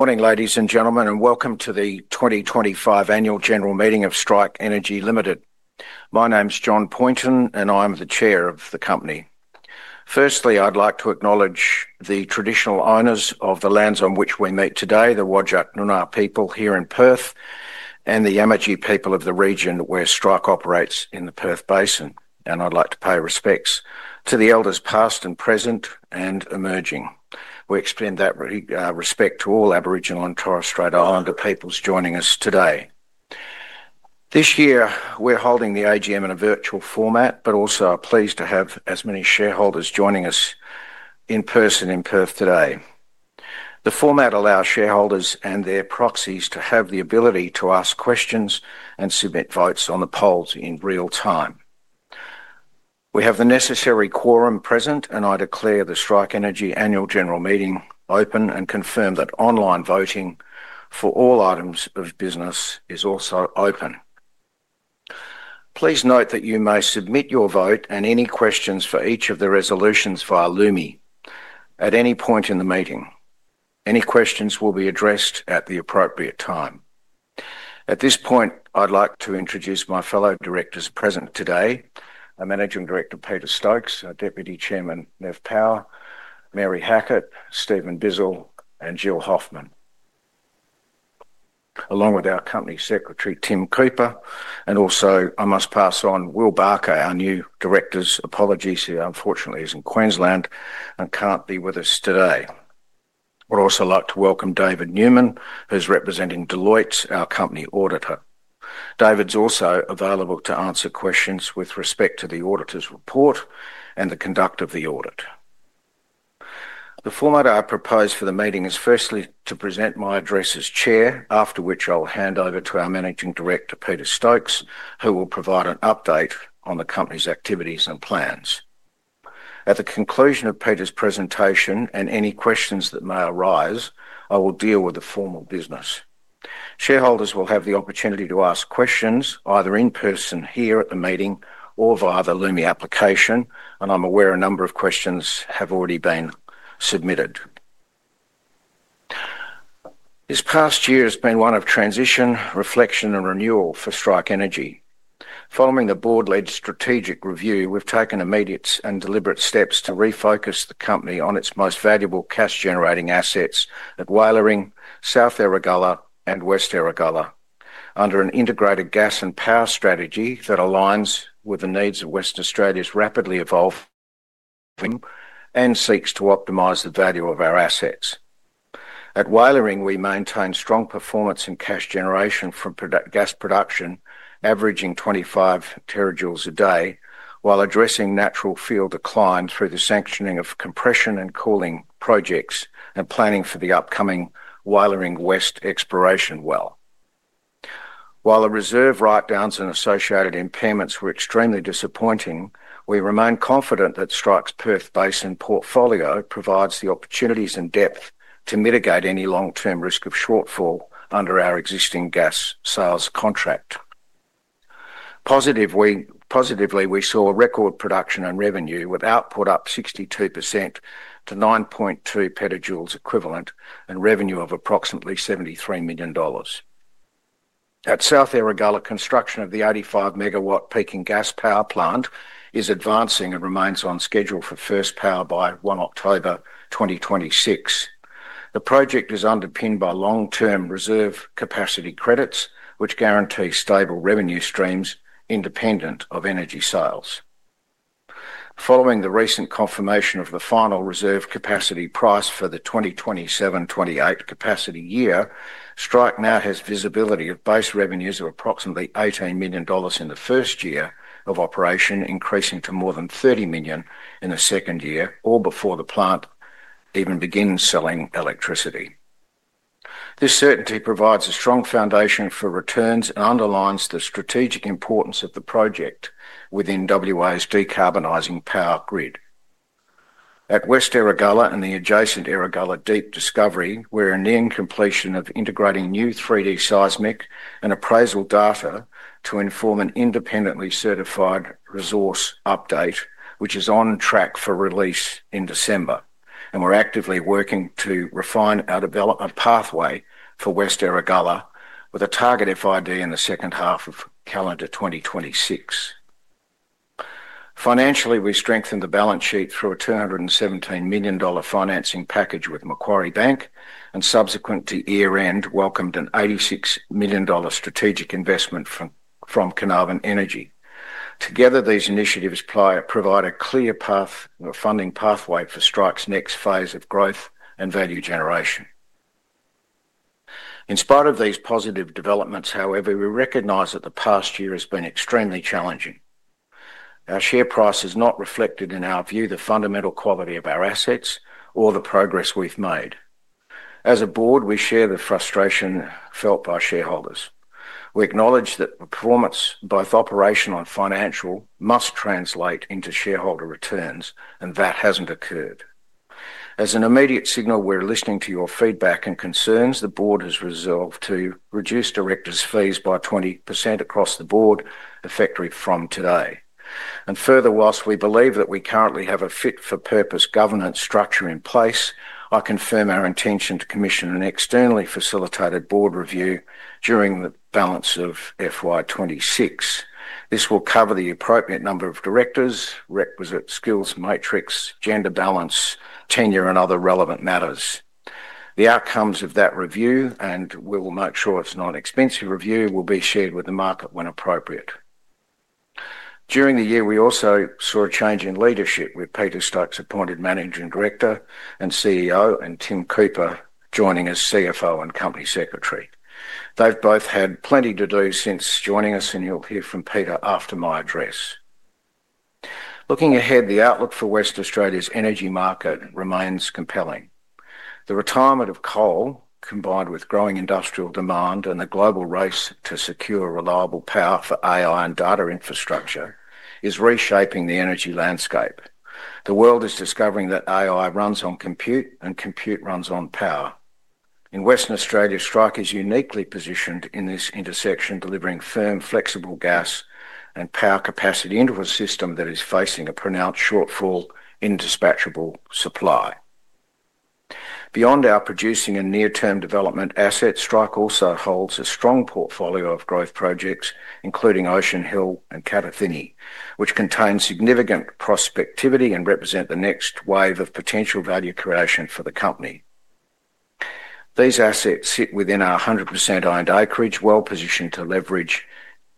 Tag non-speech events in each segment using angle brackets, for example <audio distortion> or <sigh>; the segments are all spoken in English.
Morning, ladies and gentlemen, and welcome to the 2025 Annual General Meeting of Strike Energy Limited. My name's John Poynton, and I'm the Chair of the company. Firstly, I'd like to acknowledge the traditional owners of the lands on which we meet today, the Whadjuk Noongar people here in Perth, and the Yamatji people of the region where Strike operates in the Perth Basin. I'd like to pay respects to the Elders past, present, and emerging. We extend that respect to all Aboriginal and Torres Strait Islander peoples joining us today. This year, we're holding the AGM in a virtual format, but also are pleased to have as many shareholders joining us in person in Perth today. The format allows shareholders and their proxies to have the ability to ask questions and submit votes on the polls in real time. We have the necessary quorum present, and I declare the Strike Energy Annual General Meeting open and confirm that online voting for all items of business is also open. Please note that you may submit your vote and any questions for each of the resolutions via Lumi at any point in the meeting. Any questions will be addressed at the appropriate time. At this point, I'd like to introduce my fellow directors present today: Managing Director Peter Stokes, our Deputy Chairman Nev Power, Mary Hackett, Stephen Bizzell, and Jill Hoffmann, along with our Company Secretary Tim Cooper. I must also pass on Will Barker, our new Director's apologies; he unfortunately is in Queensland and can't be with us today. We'd also like to welcome David Newman, who's representing Deloitte, our Company Auditor. David's also available to answer questions with respect to the auditor's report and the conduct of the audit. The format I propose for the meeting is firstly to present my address as Chair, after which I'll hand over to our Managing Director, Peter Stokes, who will provide an update on the company's activities and plans. At the conclusion of Peter's presentation and any questions that may arise, I will deal with the formal business. Shareholders will have the opportunity to ask questions either in person here at the meeting or via the Lumi application, and I'm aware a number of questions have already been submitted. This past year has been one of transition, reflection, and renewal for Strike Energy. Following the Board-led strategic review, we've taken immediate and deliberate steps to refocus the company on its most valuable cash-generating assets at Walyering, South Erregulla, and West Erregulla, under an integrated gas-to-power strategy that aligns with the needs of Western Australia's rapidly evolving markets and seeks to optimize the value of our assets. At Walyering, we maintain strong performance in cash generation from gas production, averaging 25 TJ a day, while addressing natural fuel decline through the sanctioning of compression and cooling projects and planning for the upcoming Walyering West Exploration well. While the reserve write-downs and associated impairments were extremely disappointing, we remain confident that Strike's Perth Basin portfolio provides the opportunities and depth to mitigate any long-term risk of shortfall under our existing gas sales contract. Positively, we saw record production and revenue, with output up 62% to 9.2 PJ equivalent and revenue of approximately 73 million dollars. At South Erregulla, construction of the 85 MW peaking gas power plant is advancing and remains on schedule for first power by 1 October 2026. The project is underpinned by long-term reserve capacity credits, which guarantee stable revenue streams independent of energy sales. Following the recent confirmation of the final reserve capacity price for the 2027-2028 capacity year, Strike now has visibility of base revenues of approximately AUD 18 million in the first year of operation, increasing to more than AUD 30 million in the second year, all before the plant even begins selling electricity. This certainty provides a strong foundation for returns and underlines the strategic importance of the project within WAs decarbonizing power grid. At West Erregulla and the adjacent Erregulla Deep Discovery, we're nearing completion of integrating new 3D seismic and appraisal data to inform an independently certified resource update, which is on track for release in December. We are actively working to refine our development pathway for West Erregulla, with a target FID in the second half of calendar 2026. Financially, we strengthened the balance sheet through an AUD 217 million financing package with Macquarie Bank, and subsequent to year-end, welcomed an AUD 86 million strategic investment from Carnarvon Energy. Together, these initiatives provide a clear funding pathway for Strike's next phase of growth and value generation. In spite of these positive developments, however, we recognize that the past year has been extremely challenging. Our share price has not reflected in our view the fundamental quality of our assets or the progress we've made. As a Board, we share the frustration felt by shareholders. We acknowledge that performance, both operational and financial, must translate into shareholder returns, and that has not occurred. As an immediate signal, we are listening to your feedback and concerns. The Board has resolved to reduce directors' fees by 20% across the Board, effectively from today. Further, whilst we believe that we currently have a fit-for-purpose governance structure in place, I confirm our intention to commission an externally facilitated Board review during the balance of FY 2026. This will cover the appropriate number of directors, requisite skills matrix, gender balance, tenure, and other relevant matters. The outcomes of that review, and we will make sure it is not an expensive review, will be shared with the market when appropriate. During the year, we also saw a change in leadership with Peter Stokes, appointed Managing Director and CEO, and Tim Cooper, joining as CFO and Company Secretary. They've both had plenty to do since joining us, and you'll hear from Peter after my address. Looking ahead, the outlook for Western Australia's energy market remains compelling. The retirement of coal, combined with growing industrial demand and the global race to secure reliable power for AI and data infrastructure, is reshaping the energy landscape. The world is discovering that AI runs on compute and compute runs on power. In Western Australia, Strike is uniquely positioned in this intersection, delivering firm, flexible gas and power capacity into a system that is facing a pronounced shortfall in dispatchable supply. Beyond our producing and near-term development assets, Strike also holds a strong portfolio of growth projects, including Ocean Hill and Kadathinni, which contain significant prospectivity and represent the next wave of potential value creation for the company. These assets sit within our 100% R&D acreage, well positioned to leverage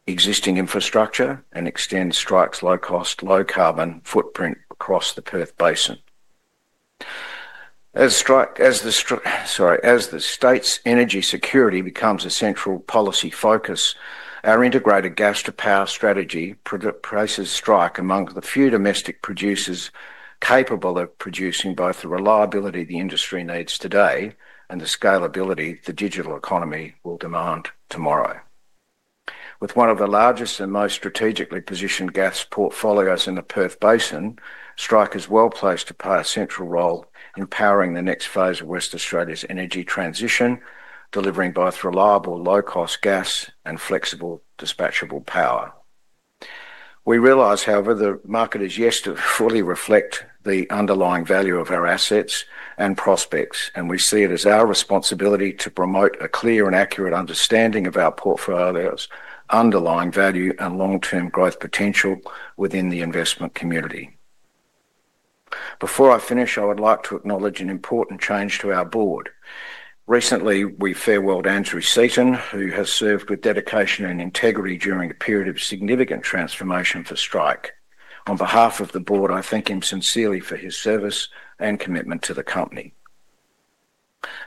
existing infrastructure and extend Strike's low-cost, low-carbon footprint across the Perth Basin. As the state's energy security becomes a central policy focus, our integrated gas-to-power strategy places Strike among the few domestic producers capable of producing both the reliability the industry needs today and the scalability the digital economy will demand tomorrow. With one of the largest and most strategically positioned gas portfolios in the Perth Basin, Strike is well placed to play a central role in powering the next phase of West Australia's energy transition, delivering both reliable, low-cost gas and flexible dispatchable power. We realize, however, the market is yet to fully reflect the underlying value of our assets and prospects, and we see it as our responsibility to promote a clear and accurate understanding of our portfolio's underlying value and long-term growth potential within the investment community. Before I finish, I would like to acknowledge an important change to our Board. Recently, we farewelled Andrew Seaton, who has served with dedication and integrity during a period of significant transformation for Strike. On behalf of the Board, I thank him sincerely for his service and commitment to the company.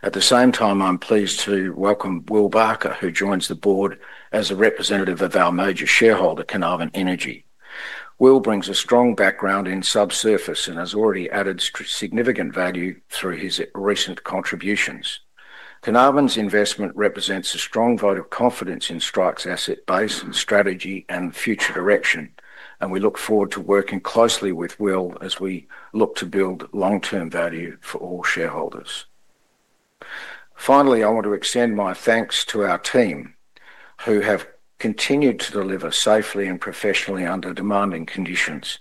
At the same time, I'm pleased to welcome Will Barker, who joins the Board as a representative of our major shareholder, Carnarvon Energy. Will brings a strong background in subsurface and has already added significant value through his recent contributions. Carnarvon's investment represents a strong vote of confidence in Strike's asset base and strategy and future direction, and we look forward to working closely with Will as we look to build long-term value for all shareholders. Finally, I want to extend my thanks to our team, who have continued to deliver safely and professionally under demanding conditions,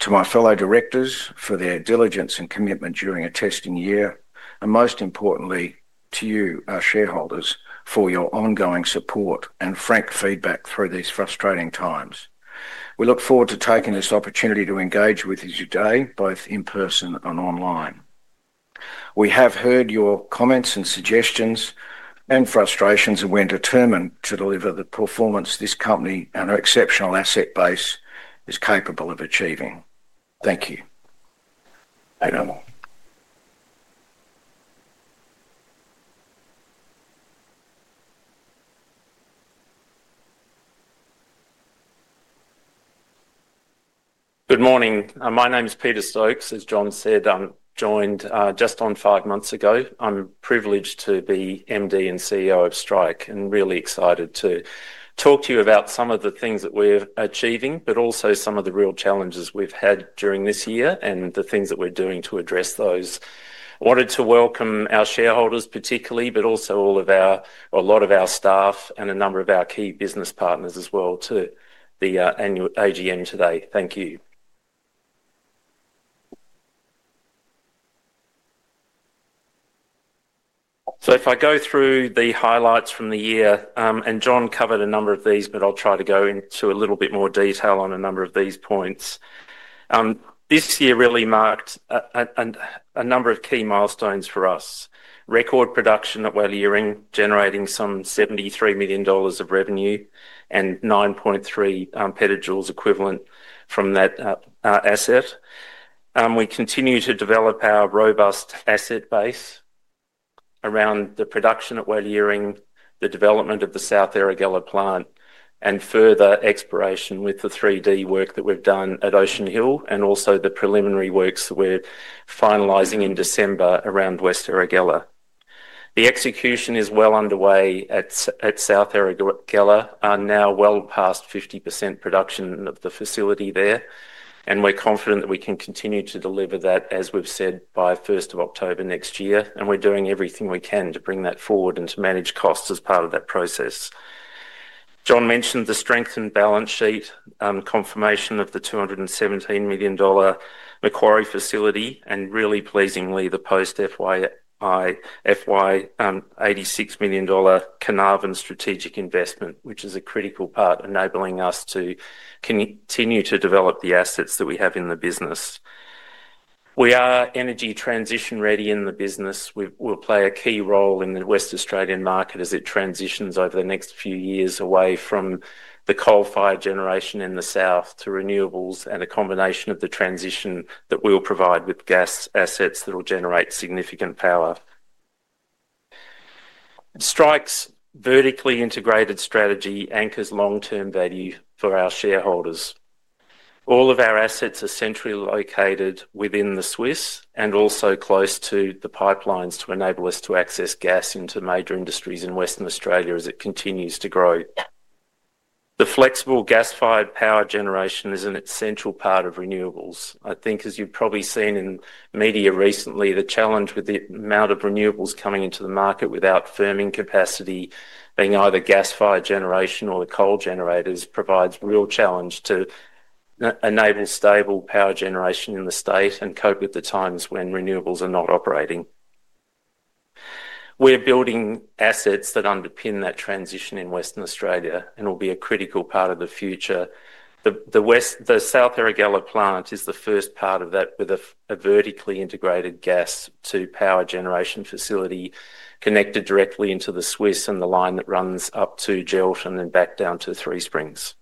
to my fellow Directors for their diligence and commitment during a testing year, and most importantly, to you, our shareholders, for your ongoing support and frank feedback through these frustrating times. We look forward to taking this opportunity to engage with you today, both in person and online. We have heard your comments and suggestions and frustrations and we're determined to deliver the performance this company and our exceptional asset base is capable of achieving. Thank you. Good morning. My name is Peter Stokes. As John said, I joined just on five months ago. I'm privileged to be MD and CEO of Strike and really excited to talk to you about some of the things that we're achieving, but also some of the real challenges we've had during this year and the things that we're doing to address those. I wanted to welcome our shareholders particularly, but also all of our or a lot of our staff and a number of our key business partners as well to the AGM today. Thank you. If I go through the highlights from the year, and John covered a number of these, I'll try to go into a little bit more detail on a number of these points. This year really marked a number of key milestones for us: record production at Walyering, generating some 73 million dollars of revenue and 9.3 PJ equivalent from that asset. We continue to develop our robust asset base around the production at Walyering, the development of the South Erregulla plant, and further exploration with the 3D work that we have done at Ocean Hill and also the preliminary works that we are finalizing in December around West Erregulla. The execution is well underway at South Erregulla, now well past 50% completion of the facility there, and we are confident that we can continue to deliver that, as we have said, by 1st October next year, and we are doing everything we can to bring that forward and to manage costs as part of that process. John mentioned the strengthened balance sheet confirmation of the 217 million dollar Macquarie facility and really pleasingly the post-FY 86 million dollar Carnarvon strategic investment, which is a critical part enabling us to continue to develop the assets that we have in the business. We are energy transition ready in the business. We'll play a key role in the West Australian market as it transitions over the next few years away from the coal-fired generation in the south to renewables and a combination of the transition that we'll provide with gas assets that will generate significant power. Strike's vertically integrated strategy anchors long-term value for our shareholders. All of our assets are centrally located within the SWIS and also close to the pipelines to enable us to access gas into major industries in Western Australia as it continues to grow. The flexible gas-fired power generation is an essential part of renewables. I think, as you've probably seen in media recently, the challenge with the amount of renewables coming into the market without firming capacity being either gas-fired generation or the coal generators provides real challenge to enable stable power generation in the state and cope with the times when renewables are not operating. We're building assets that underpin that transition in Western Australia and will be a critical part of the future. The South Erregulla plant is the first part of that with a vertically integrated gas-to-power generation facility connected directly into the SWIS and the line that runs up to Geraldton and back down to Three Springs.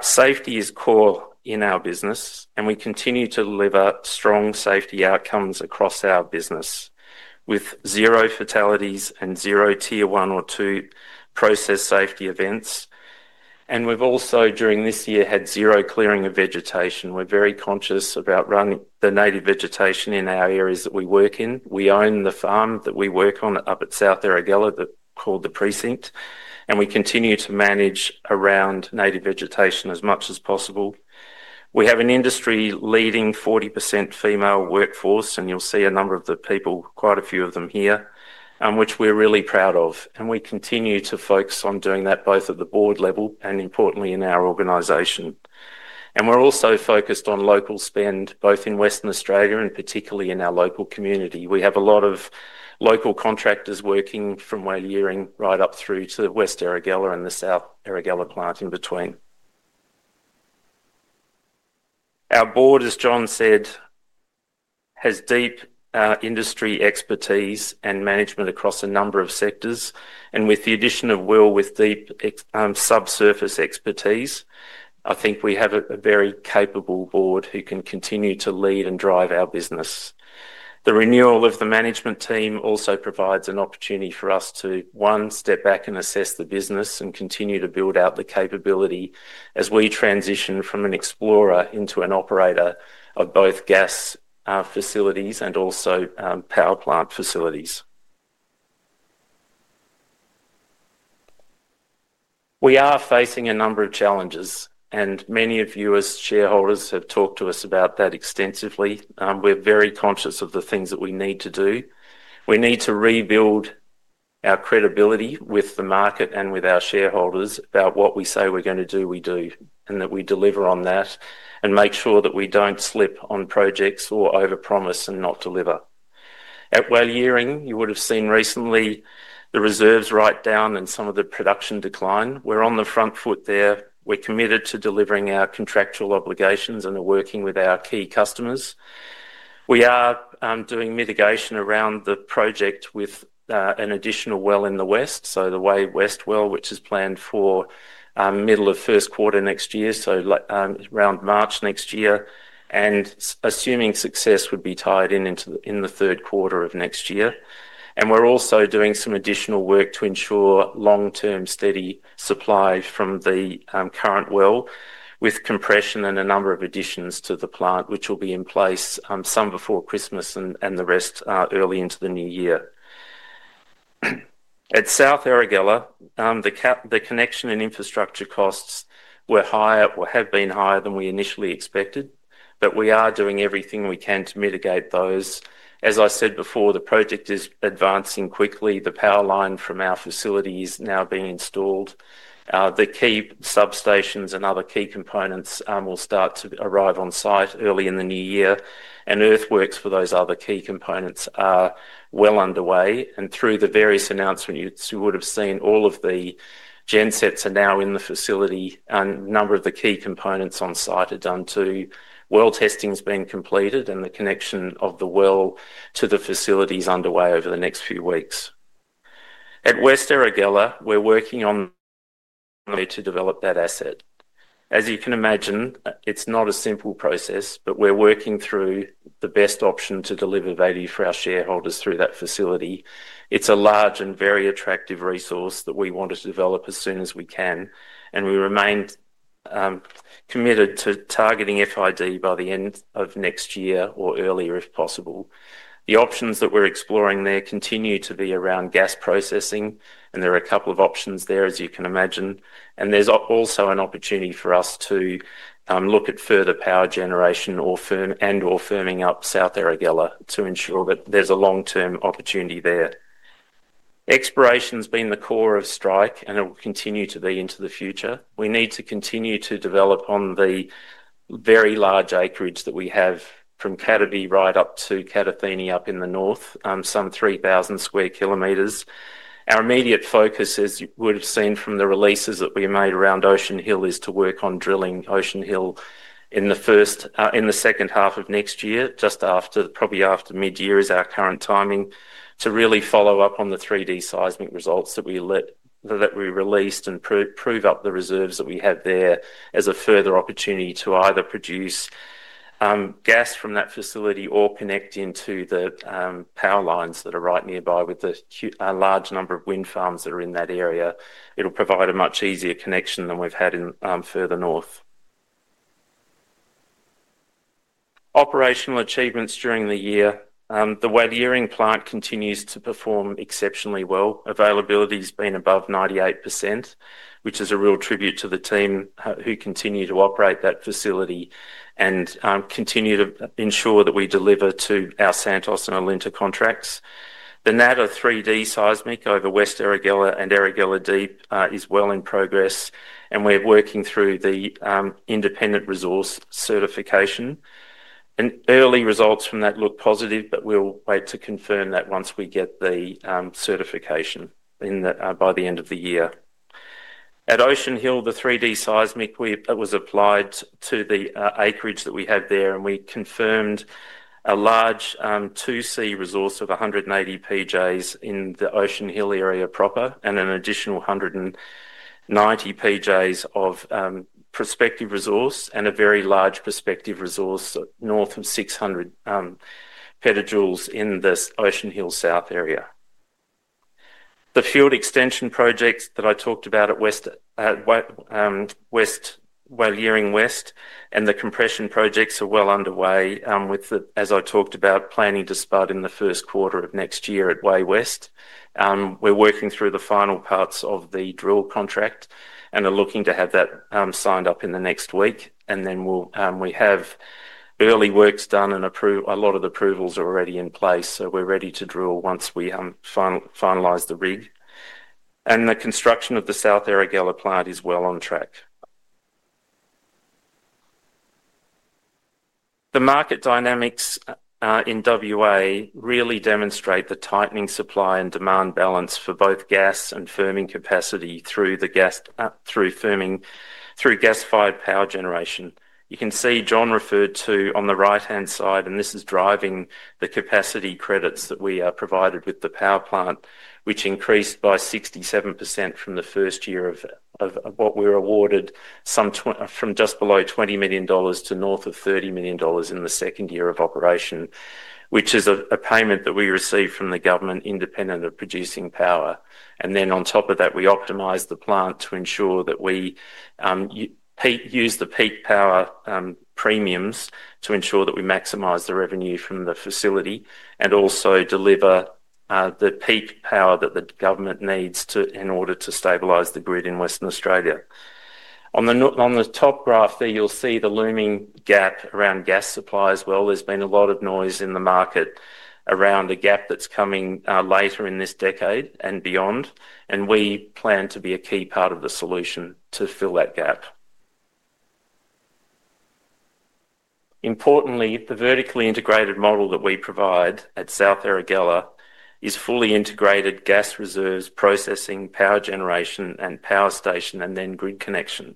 Safety is core in our business, and we continue to deliver strong safety outcomes across our business with zero fatalities and zero tier I or II process safety events. We have also, during this year, had zero clearing of vegetation. We're very conscious about running the native vegetation in our areas that we work in. We own the farm that we work on up at South Erregulla called the Precinct, and we continue to manage around native vegetation as much as possible. We have an industry-leading 40% female workforce, and you'll see a number of the people, quite a few of them here, which we're really proud of. We continue to focus on doing that both at the board level and, importantly, in our organization. We're also focused on local spend, both in Western Australia and particularly in our local community. We have a lot of local contractors working from Walyering right up through to West Erregulla and the South Erregulla plant in between. Our Board, as John said, has deep industry expertise and management across a number of sectors. With the addition of Will with deep subsurface expertise, I think we have a very capable Board who can continue to lead and drive our business. The renewal of the management team also provides an opportunity for us to, one, step back and assess the business and continue to build out the capability as we transition from an explorer into an operator of both gas facilities and also power plant facilities. We are facing a number of challenges, and many of you, as shareholders, have talked to us about that extensively. We're very conscious of the things that we need to do. We need to rebuild our credibility with the market and with our shareholders about what we say we're going to do, we do, and that we deliver on that and make sure that we don't slip on projects or overpromise and not deliver. At Walyering, you would have seen recently the reserves write down and some of the production decline. We're on the front foot there. We're committed to delivering our contractual obligations and are working with our key customers. We are doing mitigation around the project with an additional well in the west, so the Way West well, which is planned for middle of first quarter next year, so around March next year, and assuming success would be tied in in the third quarter of next year. We are also doing some additional work to ensure long-term steady supply from the current well with compression and a number of additions to the plant, which will be in place some before Christmas and the rest early into the new year. At South Erregulla, the connection and infrastructure costs were higher or have been higher than we initially expected, but we are doing everything we can to mitigate those. As I said before, the project is advancing quickly. The power line from our facility is now being installed. The key substations and other key components will start to arrive on site early in the new year, and earthworks for those other key components are well underway. Through the various announcements, you would have seen all of the gensets are now in the facility, and a number of the key components on site are done too. Well testing has been completed, and the connection of the well to the facility is underway over the next few weeks. At West Erregulla, we're working on ways to develop that asset. As you can imagine, it's not a simple process, but we're working through the best option to deliver value for our shareholders through that facility. It's a large and very attractive resource that we want to develop as soon as we can, and we remain committed to targeting FID by the end of next year or earlier if possible. The options that we're exploring there continue to be around gas processing, and there are a couple of options there, as you can imagine. There's also an opportunity for us to look at further power generation and/or firming up South Erregulla to ensure that there's a long-term opportunity there. Exploration has been the core of Strike, and it will continue to be into the future. We need to continue to develop on the very large acreage that we have from Cataby right up to Kadathinni up in the north, some 3,000 sq km. Our immediate focus, as you would have seen from the releases that we made around Ocean Hill, is to work on drilling Ocean Hill in the second half of next year, just after, probably after mid-year is our current timing, to really follow up on the 3D seismic results that we released and prove up the reserves that we have there as a further opportunity to either produce gas from that facility or connect into the power lines that are right nearby with the large number of wind farms that are in that area. It'll provide a much easier connection than we've had further north. Operational achievements during the year. The Walyering plant continues to perform exceptionally well. Availability has been above 98%, which is a real tribute to the team who continue to operate that facility and continue to ensure that we deliver to our Santos and Alinta contracts. The Natta 3D seismic over West Erregulla and Erregulla Deep is well in progress, and we're working through the independent resource certification. Early results from that look positive, but we'll wait to confirm that once we get the certification by the end of the year. At Ocean Hill, the 3D seismic, it was applied to the acreage that we have there, and we confirmed a large 2C resource of 180 PJ in the Ocean Hill area proper and an additional 190 PJ of prospective resource and a very large prospective resource north of 600 PJ in the Ocean Hill south area. The field extension projects that I talked about at West Erregulla West and the compression projects are well underway with, as I talked about, planning to start in the first quarter of next year at Way West. We're working through the final parts of the drill contract and are looking to have that signed up in the next week. We have early works done and a lot of the approvals are already in place, so we're ready to drill once we finalize the rig. The construction of the South Erregulla plant is well on track. The market dynamics in WA really demonstrate the tightening supply and demand balance for both gas and firming capacity through firming through gas-fired power generation. You can see John referred to on the right-hand side, and this is driving the capacity credits that we are provided with the power plant, which increased by 67% from the first year of what we were awarded, from just below 20 million dollars to north of 30 million dollars in the second year of operation, which is a payment that we received from the government independent of producing power. On top of that, we optimise the plant to ensure that we use the peak power premiums to ensure that we maximise the revenue from the facility and also deliver the peak power that the government needs in order to stabilise the grid in Western Australia. On the top graph there, you'll see the looming gap around gas supply as well. There's been a lot of noise in the market around a gap that's coming later in this decade and beyond, and we plan to be a key part of the solution to fill that gap. Importantly, the vertically integrated model that we provide at South Erregulla is fully integrated gas reserves, processing, power generation, and power station, and then grid connection.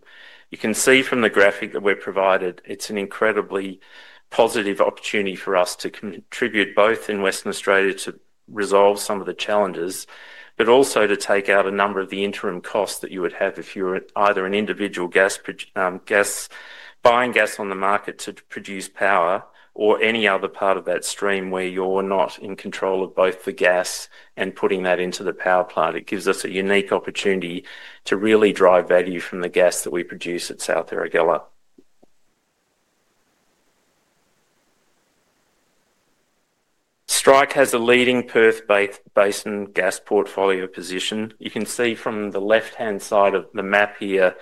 You can see from the graphic that we're provided, it's an incredibly positive opportunity for us to contribute both in Western Australia to resolve some of the challenges, but also to take out a number of the interim costs that you would have if you were either an individual buying gas on the market to produce power or any other part of that stream where you're not in control of both the gas and putting that into the power plant. It gives us a unique opportunity to really drive value from the gas that we produce at South Erregulla. Strike has a leading Perth Basin gas portfolio position. You can see from the left-hand side of the map here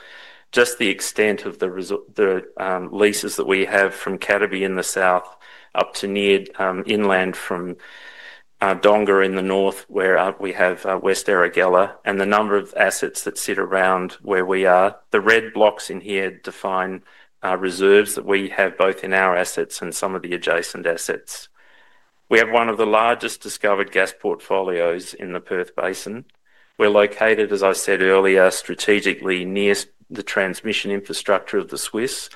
just the extent of the leases that we have from Cataby in the south up to near inland from Dongara in the north where we have West Erregulla and the number of assets that sit around where we are. The red blocks in here define reserves that we have both in our assets and some of the adjacent assets. We have one of the largest discovered Gas portfolios in the Perth Basin. We're located, as I said earlier, strategically near the transmission infrastructure of the SWIS,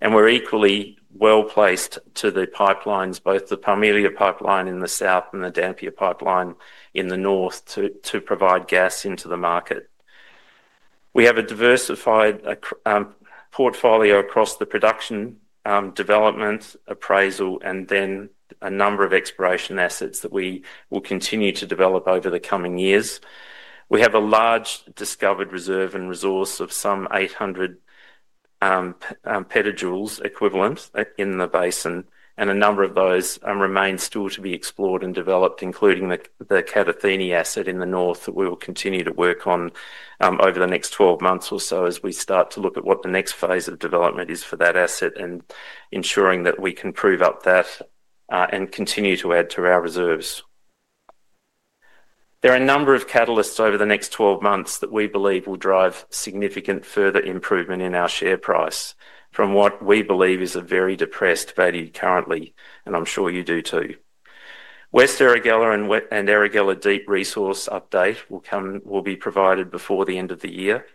and we're equally well placed to the pipelines, both the Parmelia pipeline in the south and the Dampier pipeline in the north to provide gas into the market. We have a diversified portfolio across the production, development, appraisal, and then a number of exploration assets that we will continue to develop over the coming years. We have a large discovered reserve and resource of some 800 PJ equivalent in the Basin, and a number of those remain still to be explored and developed, including the Kadathinni asset in the north that we will continue to work on over the next 12 months or so as we start to look at what the next phase of development is for that asset and ensuring that we can prove up that and continue to add to our reserves. There are a number of catalysts over the next 12 months that we believe will drive significant further improvement in our share price from what we believe is a very depressed value currently, and I'm sure you do too. West Erregulla and Erregulla Deep resource update will be provided before the end of the year.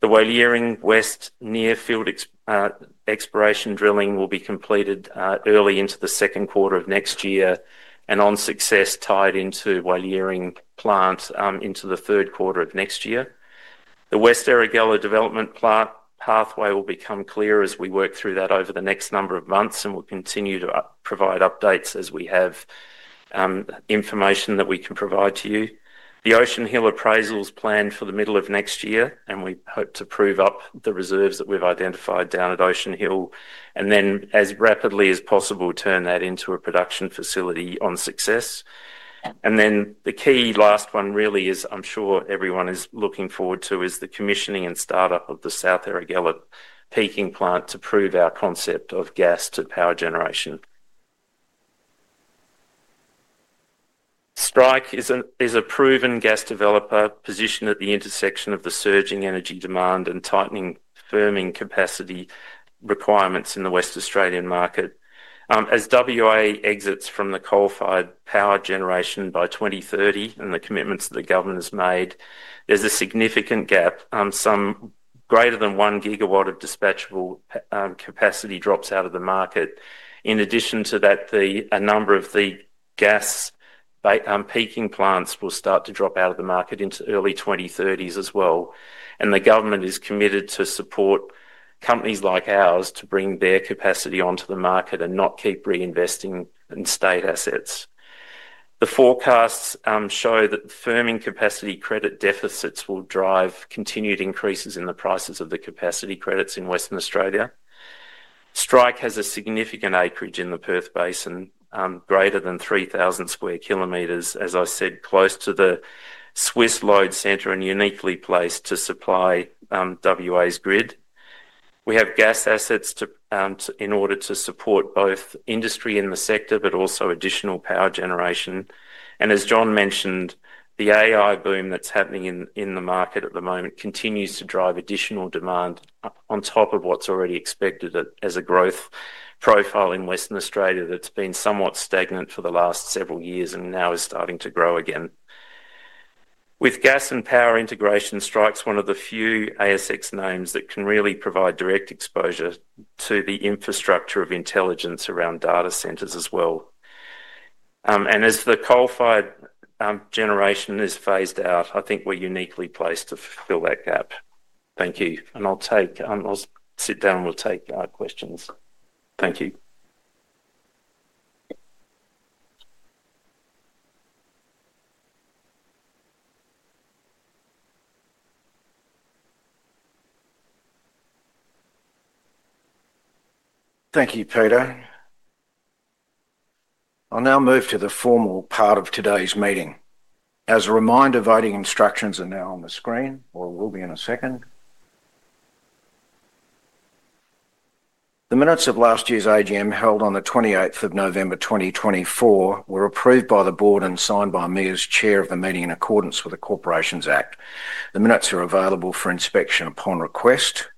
The Walyering West near field exploration drilling will be completed early into the second quarter of next year and on success tied into Walyering plant into the third quarter of next year. The West Erregulla development pathway will become clear as we work through that over the next number of months, and we'll continue to provide updates as we have information that we can provide to you. The Ocean Hill appraisal is planned for the middle of next year, and we hope to prove up the reserves that we've identified down at Ocean Hill and then as rapidly as possible turn that into a production facility on success. The key last one really is I'm sure everyone is looking forward to is the commissioning and startup of the South Erregulla peaking plant to prove our concept of gas-to-power generation. Strike is a proven gas developer positioned at the intersection of the surging energy demand and tightening firming capacity requirements in the Western Australian market. As WA exits from the coal-fired power generation by 2030 and the commitments that the government has made, there's a significant gap, some greater than one GW of dispatchable capacity drops out of the market. In addition to that, a number of the gas peaking plants will start to drop out of the market into early 2030s as well. The government is committed to support companies like ours to bring their capacity onto the market and not keep reinvesting in state assets. The forecasts show that the firming capacity credit deficits will drive continued increases in the prices of the capacity credits in Western Australia. Strike has a significant acreage in the Perth Basin, greater than 3,000 sq km, as I said, close to the SWIS load centre and uniquely placed to supply WA's grid. We have gas assets in order to support both industry in the sector, but also additional power generation. As John mentioned, the AI boom that is happening in the market at the moment continues to drive additional demand on top of what is already expected as a growth profile in Western Australia that has been somewhat stagnant for the last several years and now is starting to grow again. With Gas and Power integration, Strike is one of the few ASX names that can really provide direct exposure to the infrastructure of intelligence around data centers as well. As the coal-fired generation is phased out, I think we are uniquely placed to fill that gap. Thank you. I will sit down and we will take questions. Thank you. Thank you, Peter. I will now move to the formal part of today's meeting. As a reminder, voting instructions are now on the screen, or will be in a second. The minutes of last year's AGM held on the 28th of November, 2024 were approved by the board and signed by me as Chair of the meeting in accordance with the Corporations Act. The minutes are available for inspection upon request.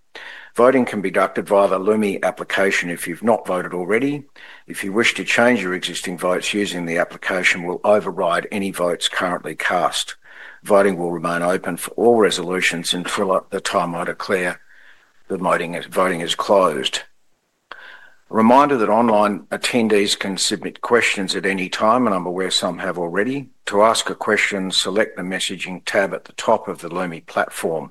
Voting can be conducted via the Lumi application if you've not voted already. If you wish to change your existing votes, using the application will override any votes currently cast. Voting will remain open for all resolutions until the time I declare the voting is closed. Reminder that online attendees can submit questions at any time, and I'm aware some have already. To ask a question, select the messaging tab at the top of the Lumi platform.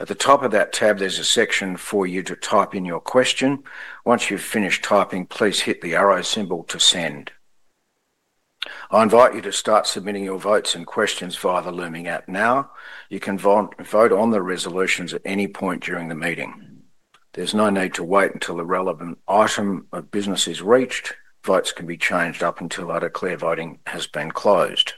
At the top of that tab, there's a section for you to type in your question. Once you've finished typing, please hit the arrow symbol to send. I invite you to start submitting your votes and questions via the Lumi app now. You can vote on the resolutions at any point during the meeting. There's no need to wait until the relevant item of business is reached. Votes can be changed up until I declare voting has been closed.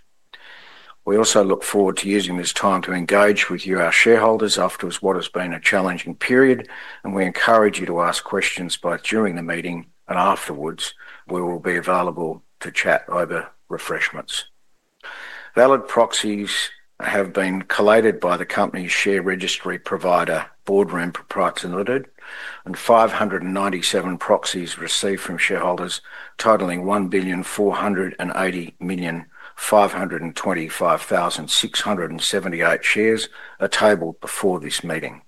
We also look forward to using this time to engage with you, our shareholders, after what has been a challenging period, and we encourage you to ask questions both during the meeting and afterwards. We will be available to chat over refreshments. Valid proxies have been collated by the company's share registry provider, Boardroom Proprietary Limited, and 597 proxies received from shareholders totaling 1,480,525,678 shares are tabled before this meeting.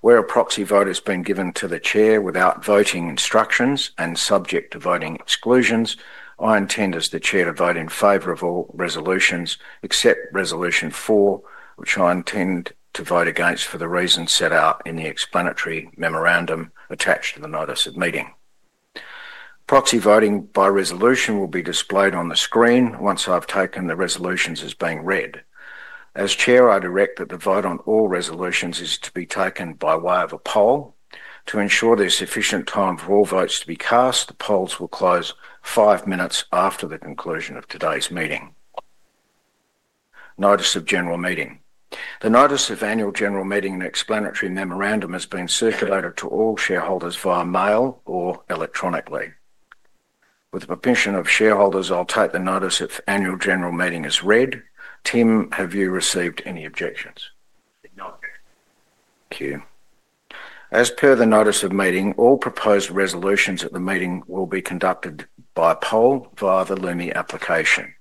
Where a proxy vote has been given to the Chair without voting instructions and subject to voting exclusions, I intend as the Chair to vote in favor of all resolutions except Resolution 4, which I intend to vote against for the reasons set out in the explanatory memorandum attached to the notice of meeting. Proxy voting by resolution will be displayed on the screen once I've taken the resolutions as being read. As Chair, I direct that the vote on all resolutions is to be taken by way of a poll. To ensure there's sufficient time for all votes to be cast, the polls will close five minutes after the conclusion of today's meeting. Notice of general meeting. The notice of annual general meeting and explanatory memorandum has been circulated to all shareholders via mail or electronically. With the permission of shareholders, I'll take the notice of annual general meeting as read. Tim, have you received any objections?[audio disortion} Thank you. As per the notice of meeting, all proposed resolutions at the meeting will be conducted by poll via the Lumi application.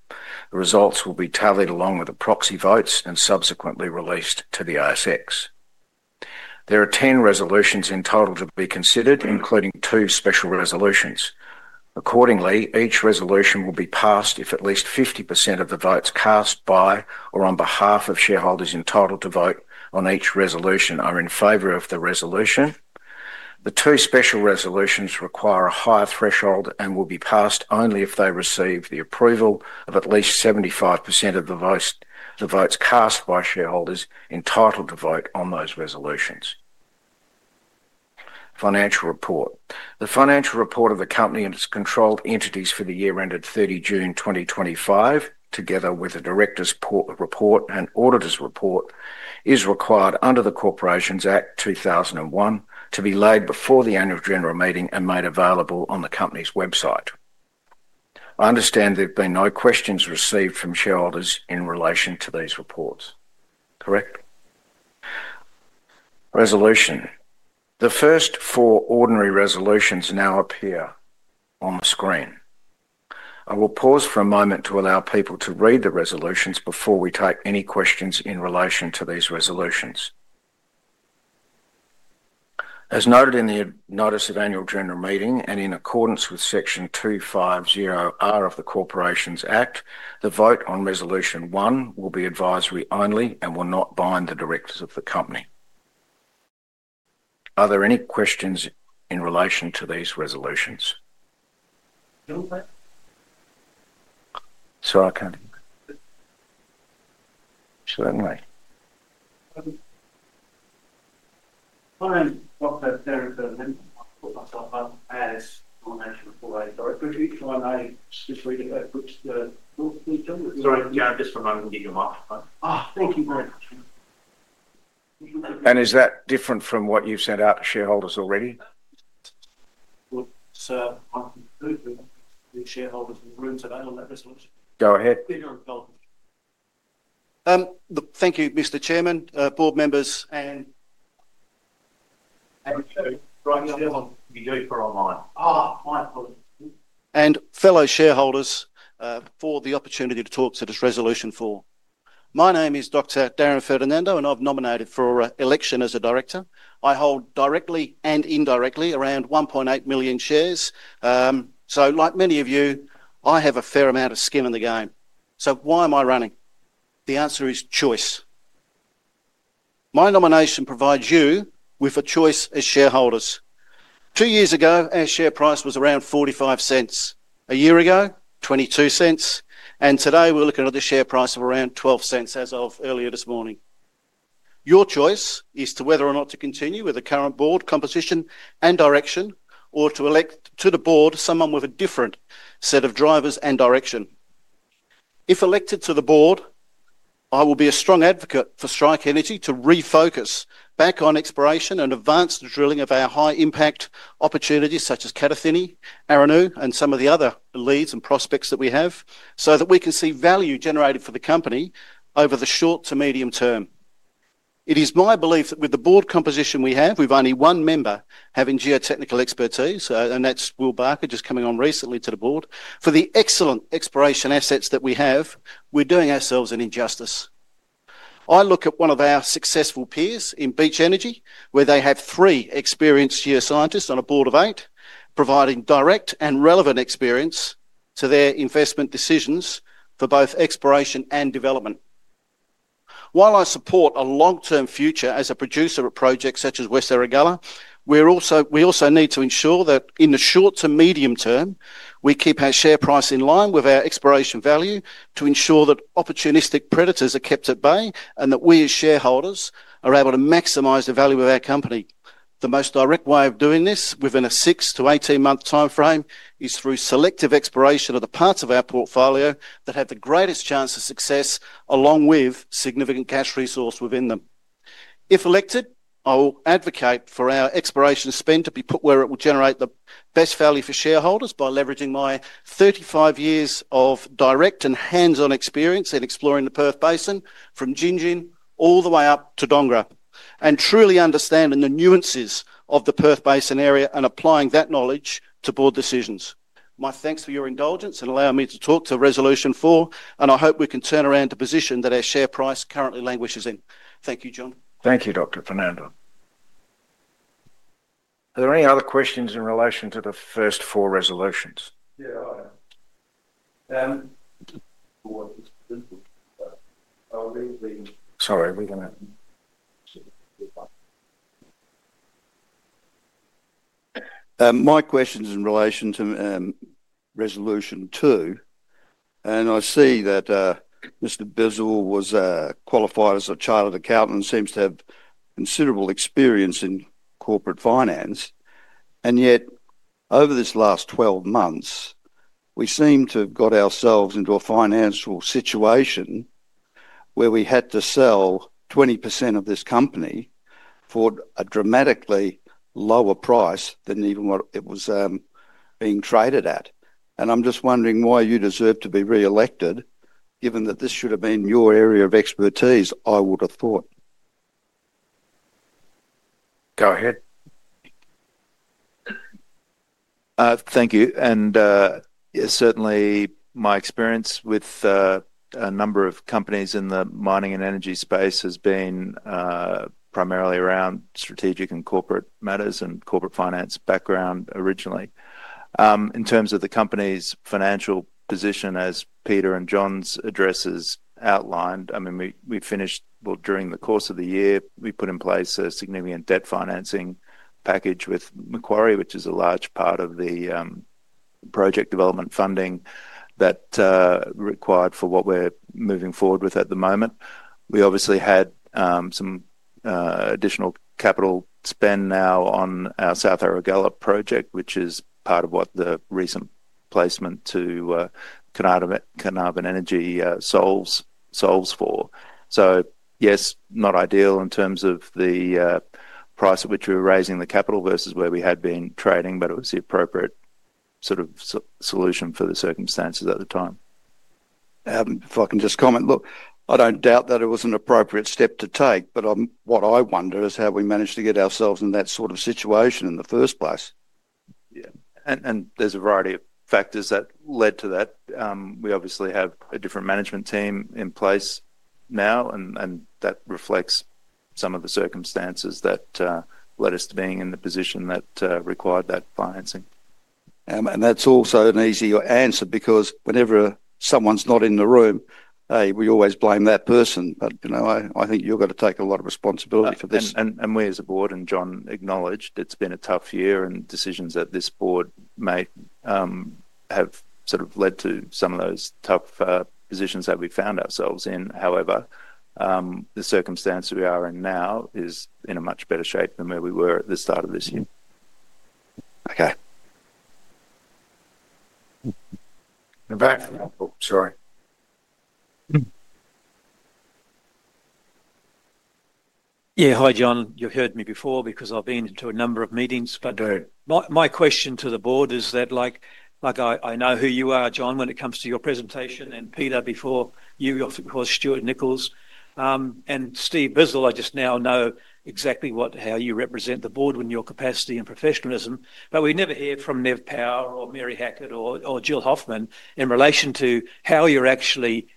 The results will be tallied along with the proxy votes and subsequently released to the ASX. There are 10 resolutions in total to be considered, including two special resolutions. Accordingly, each resolution will be passed if at least 50% of the votes cast by or on behalf of shareholders entitled to vote on each resolution are in favor of the resolution. The two special resolutions require a higher threshold and will be passed only if they receive the approval of at least 75% of the votes cast by shareholders entitled to vote on those resolutions. Financial report. The financial report of the company and its controlled entities for the year ended 30 June 2025, together with the Director's Report and Auditor's Report, is required under the Corporations Act 2001 to be laid before the annual general meeting and made available on the company's website. I understand there have been no questions received from shareholders in relation to these reports. Correct? Resolution. The first four ordinary resolutions now appear on the screen. I will pause for a moment to allow people to read the resolutions before we take any questions in relation to these resolutions. As noted in the notice of annual general meeting and in accordance with Section 250R of the Corporations Act, the vote on Resolution 1 will be advisory only and will not bind the Directors of the company. Are there any questions in relation to these resolutions? [audio disortion]Certainly. Hi, I'm Dr. Darren Ferdinando. I'll put myself up as the National Director. Sorry, just for a moment, we'll give you a microphone. Oh, thank you very much. Is that different from what you've sent out to shareholders already? Sir, I'm confusing the shareholders in the rooms available at this resolution. Go ahead. Thank you, Mr. Chairman, board members, and fellow shareholders for the opportunity to talk to this resolution for. My name is Dr. Darren Ferdinando, and I've nominated for election as a director. I hold directly and indirectly around 1.8 million shares. Like many of you, I have a fair amount of skin in the game. Why am I running? The answer is choice. My nomination provides you with a choice as shareholders. Two years ago, our share price was around 0.45. A year ago, 0.22. Today, we're looking at a share price of around 0.12 as of earlier this morning. Your choice is whether or not to continue with the current Board composition and direction or to elect to the Board someone with a different set of drivers and direction. If elected to the Board, I will be a strong advocate for Strike Energy to refocus back on exploration and advance the drilling of our high-impact opportunities such as Kadathinni, Arrino, and some of the other leads and prospects that we have so that we can see value generated for the company over the short to medium term. It is my belief that with the Board composition we have, with only one member having geotechnical expertise, and that's Will Barker, just coming on recently to the Board, for the excellent exploration assets that we have, we're doing ourselves an injustice. I look at one of our successful peers in Beach Energy, where they have three experienced geoscientists on a board of eight, providing direct and relevant experience to their investment decisions for both exploration and development. While I support a long-term future as a producer of projects such as West Erregulla, we also need to ensure that in the short to medium term, we keep our share price in line with our exploration value to ensure that opportunistic predators are kept at bay and that we as shareholders are able to maximize the value of our company. The most direct way of doing this within a 6 month-18 month timeframe is through selective exploration of the parts of our portfolio that have the greatest chance of success along with significant cash resource within them. If elected, I will advocate for our exploration spend to be put where it will generate the best value for shareholders by leveraging my 35 years of direct and hands-on experience in exploring the Perth Basin from Gingin all the way up to Dongara and truly understanding the nuances of the Perth Basin area and applying that knowledge to Board decisions. My thanks for your indulgence and allowing me to talk to Resolution 4, and I hope we can turn around the position that our share price currently languishes in. Thank you, John. Thank you, Dr. Ferdinando. Are there any other questions in relation to the first four resolutions? [audio disortion]Yeah, I am. Sorry, we're going to... My question is in relation to Resolution 2, and I see that Mr. Bizzell was qualified as a chartered accountant and seems to have considerable experience in corporate finance. Yet, over this last 12 months, we seem to have got ourselves into a financial situation where we had to sell 20% of this company for a dramatically lower price than even what it was being traded at. I'm just wondering why you deserve to be re-elected, given that this should have been your area of expertise, I would have thought. Go ahead. Thank you. Certainly, my experience with a number of companies in the mining and energy space has been primarily around strategic and corporate matters and corporate finance background originally. In terms of the company's financial position, as Peter and John's addresses outlined, I mean, we finished during the course of the year, we put in place a significant debt financing package with Macquarie, which is a large part of the project development funding that required for what we're moving forward with at the moment. We obviously had some additional capital spend now on our South Erregulla project, which is part of what the recent placement to Carnarvon Energy solves for. Yes, not ideal in terms of the price at which we were raising the capital versus where we had been trading, but it was the appropriate sort of solution for the circumstances at the time. If I can just comment, look, I do not doubt that it was an appropriate step to take, but what I wonder is how we managed to get ourselves in that sort of situation in the first place. Yeah. There is a variety of factors that led to that. We obviously have a different management team in place now, and that reflects some of the circumstances that led us to being in the position that required that financing. That is also an easier answer because whenever someone's not in the room, we always blame that person. I think you've got to take a lot of responsibility for this. We as a Board, and John acknowledged, it's been a tough year and decisions that this board made have sort of led to some of those tough positions that we found ourselves in. However, the circumstance we are in now is in a much better shape than where we were at the start of this year. Okay. In fact, sorry. Yeah, hi, John. You've heard me before because I've been to a number of meetings, but my question to the board is that I know who you are, John, when it comes to your presentation and Peter before you, of course Stuart Nichols and Stephen Bizzell. I just now know exactly how you represent the board in your capacity and professionalism, but we never hear from Nev Power or Mary Hackett or Jill Hoffmann in relation to how you're actually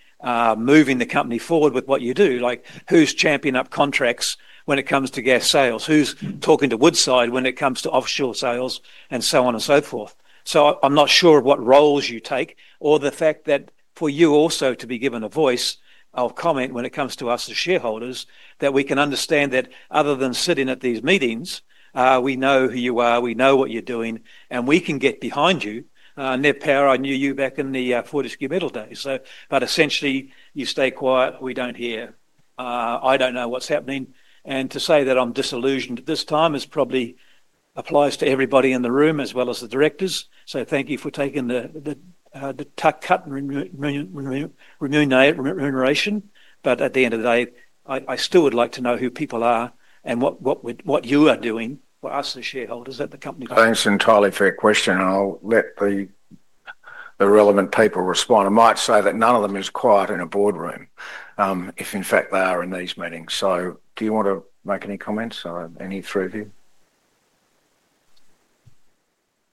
moving the company forward with what you do, like who's champing up contracts when it comes to gas sales, who's talking to Woodside when it comes to offshore sales, and so on and so forth. I am not sure of what roles you take or the fact that for you also to be given a voice of comment when it comes to us as shareholders, that we can understand that other than sitting at these meetings, we know who you are, we know what you're doing, and we can get behind you. Nev Power, I knew you back in the Fortescue Middle days. Essentially, you stay quiet, we do not hear. I do not know what's happening. To say that I'm disillusioned at this time probably applies to everybody in the room as well as the directors. Thank you for taking the tuck cut remuneration. At the end of the day, I still would like to know who people are and what you are doing for us as shareholders at the company. Thanks entirely for your question. I'll let the relevant people respond. I might say that none of them is quiet in a boardroom if in fact they are in these meetings. Do you want to make any comments? Any three of you?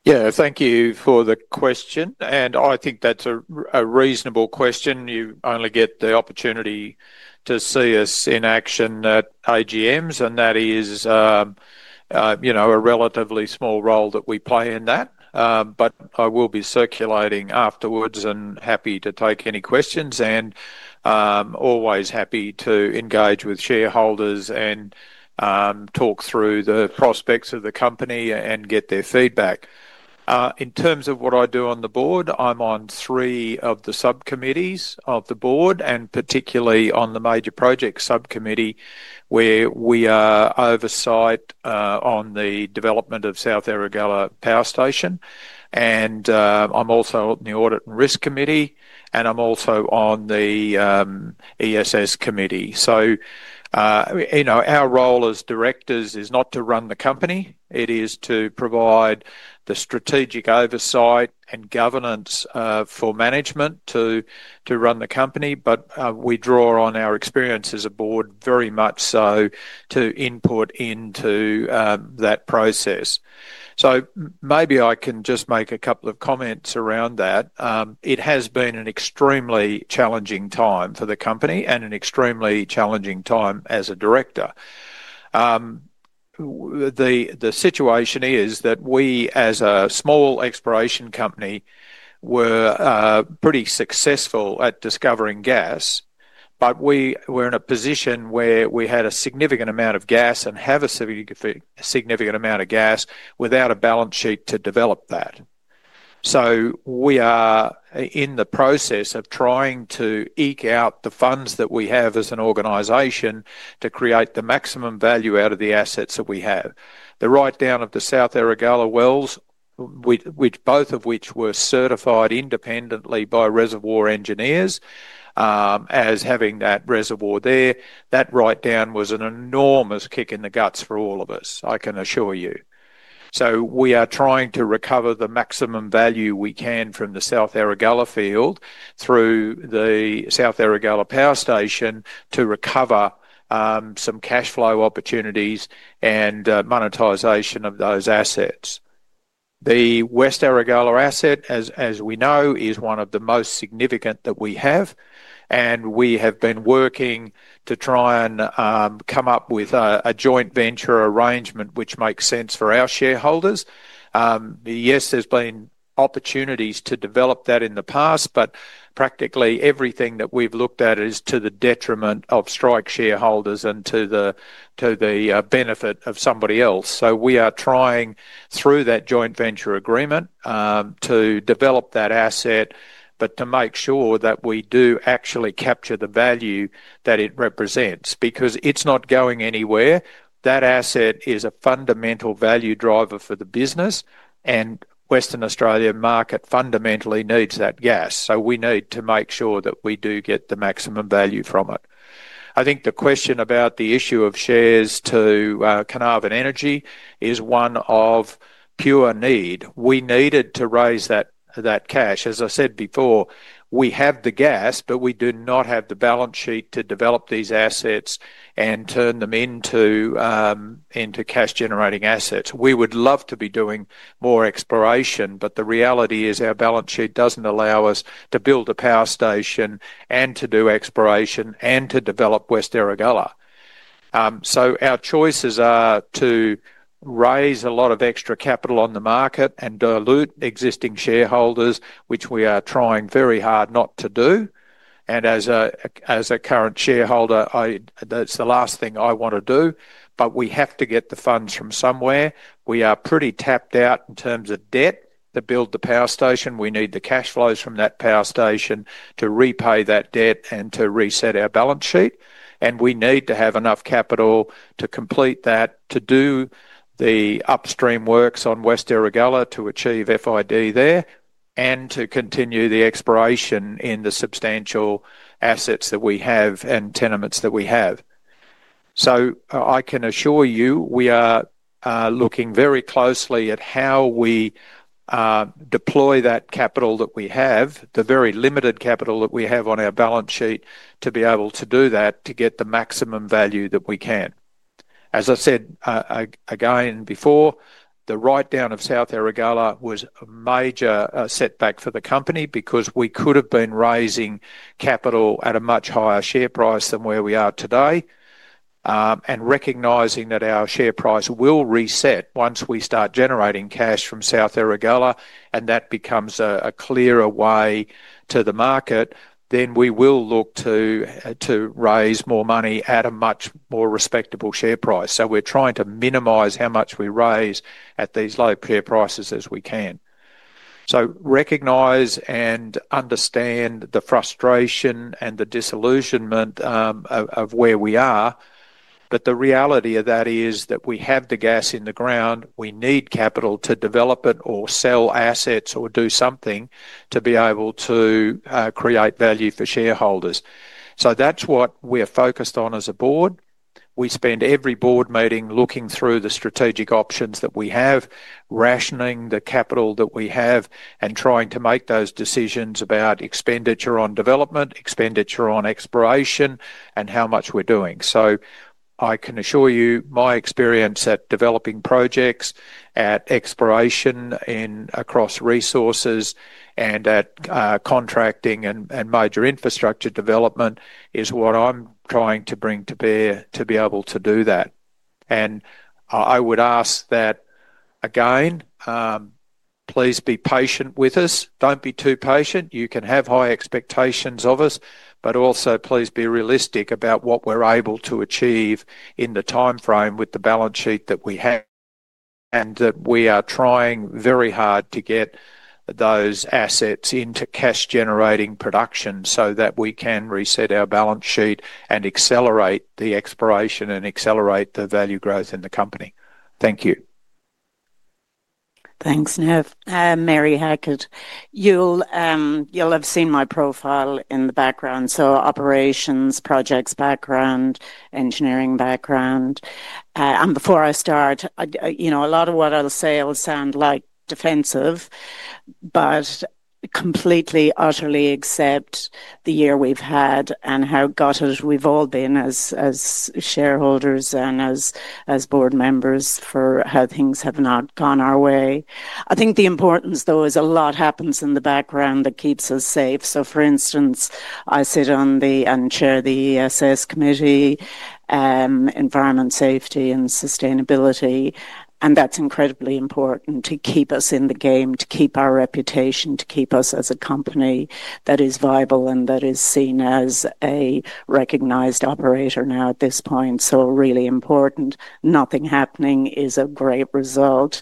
Yeah, thank you for the question. I think that's a reasonable question. You only get the opportunity to see us in action at AGMs, and that is a relatively small role that we play in that. I will be circulating afterwards and happy to take any questions and always happy to engage with shareholders and talk through the prospects of the company and get their feedback. In terms of what I do on the Board, I'm on three of the subcommittees of the Board and particularly on the major project subcommittee where we oversight on the development of South Erregulla Power Station. I'm also on the Audit and Risk committee, and I'm also on the ESS committee. Our role as directors is not to run the company. It is to provide the strategic oversight and governance for management to run the company. We draw on our experience as a Board very much so to input into that process. Maybe I can just make a couple of comments around that. It has been an extremely challenging time for the company and an extremely challenging time as a Director. The situation is that we as a small exploration company were pretty successful at discovering gas, but we were in a position where we had a significant amount of gas and have a significant amount of gas without a balance sheet to develop that. We are in the process of trying to eke out the funds that we have as an organization to create the maximum value out of the assets that we have. The write-down of the South Erregulla wells, both of which were certified independently by reservoir engineers as having that reservoir there, that write-down was an enormous kick in the guts for all of us, I can assure you. We are trying to recover the maximum value we can from the South Erregulla field through the South Erregulla Power Station to recover some cash flow opportunities and monetization of those assets. The West Erregulla asset, as we know, is one of the most significant that we have. We have been working to try and come up with a joint venture arrangement which makes sense for our shareholders. Yes, there have been opportunities to develop that in the past, but practically everything that we have looked at is to the detriment of Strike shareholders and to the benefit of somebody else. We are trying through that joint venture agreement to develop that asset, but to make sure that we do actually capture the value that it represents because it is not going anywhere. That asset is a fundamental value driver for the business, and Western Australia market fundamentally needs that gas. We need to make sure that we do get the maximum value from it. I think the question about the issue of shares to Carnarvon Energy is one of pure need. We needed to raise that cash. As I said before, we have the gas, but we do not have the balance sheet to develop these assets and turn them into cash-generating assets. We would love to be doing more exploration, but the reality is our balance sheet does not allow us to build a power station and to do exploration and to develop West Erregulla. Our choices are to raise a lot of extra capital on the market and dilute existing shareholders, which we are trying very hard not to do. As a current shareholder, that's the last thing I want to do. We have to get the funds from somewhere. We are pretty tapped out in terms of debt to build the power station. We need the cash flows from that power station to repay that debt and to reset our balance sheet. We need to have enough capital to complete that, to do the upstream works on West Erregulla to achieve FID there and to continue the exploration in the substantial assets that we have and tenements that we have. I can assure you we are looking very closely at how we deploy that capital that we have, the very limited capital that we have on our balance sheet, to be able to do that to get the maximum value that we can. As I said again before, the write-down of South Erregulla was a major setback for the company because we could have been raising capital at a much higher share price than where we are today and recognizing that our share price will reset once we start generating cash from South Erregulla and that becomes a clearer way to the market, then we will look to raise more money at a much more respectable share price. We are trying to minimize how much we raise at these low-tier prices as we can. I recognize and understand the frustration and the disillusionment of where we are. The reality of that is that we have the gas in the ground. We need capital to develop it or sell assets or do something to be able to create value for shareholders. That is what we are focused on as a Board. We spend every Board meeting looking through the strategic options that we have, rationing the capital that we have, and trying to make those decisions about expenditure on development, expenditure on exploration, and how much we're doing. I can assure you my experience at developing projects, at exploration across resources, and at contracting and major infrastructure development is what I'm trying to bring to bear to be able to do that. I would ask that again, please be patient with us. Do not be too patient. You can have high expectations of us, but also please be realistic about what we're able to achieve in the timeframe with the balance sheet that we have and that we are trying very hard to get those assets into cash-generating production so that we can reset our balance sheet and accelerate the exploration and accelerate the value growth in the company. Thank you. Thank you. Thanks, Nev. Mary Hackett, you'll have seen my profile in the background. Operations, projects background, engineering background. Before I start, a lot of what I'll say will sound defensive, but completely, utterly accept the year we've had and how gutted we've all been as shareholders and as Board members for how things have not gone our way. I think the importance, though, is a lot happens in the background that keeps us safe. For instance, I sit on and Chair the ESS committee, Environment, Safety, and Sustainability. That's incredibly important to keep us in the game, to keep our reputation, to keep us as a company that is viable and that is seen as a recognized operator now at this point. Really important. Nothing happening is a great result.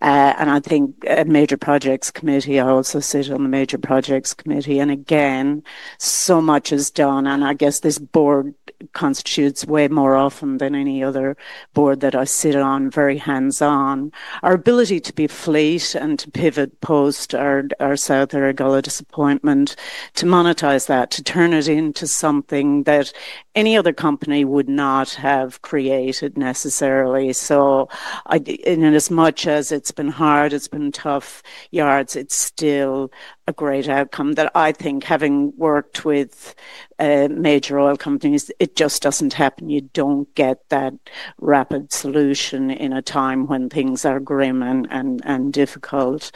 I think a major projects committee, I also sit on the major projects committee. Again, so much is done. I guess this Board constitutes way more often than any other board that I sit on, very hands-on. Our ability to be fleet and to pivot post our South Erregulla disappointment, to monetize that, to turn it into something that any other company would not have created necessarily. In as much as it has been hard, it has been tough yards, it is still a great outcome that I think having worked with major oil companies, it just does not happen. You do not get that rapid solution in a time when things are grim and difficult.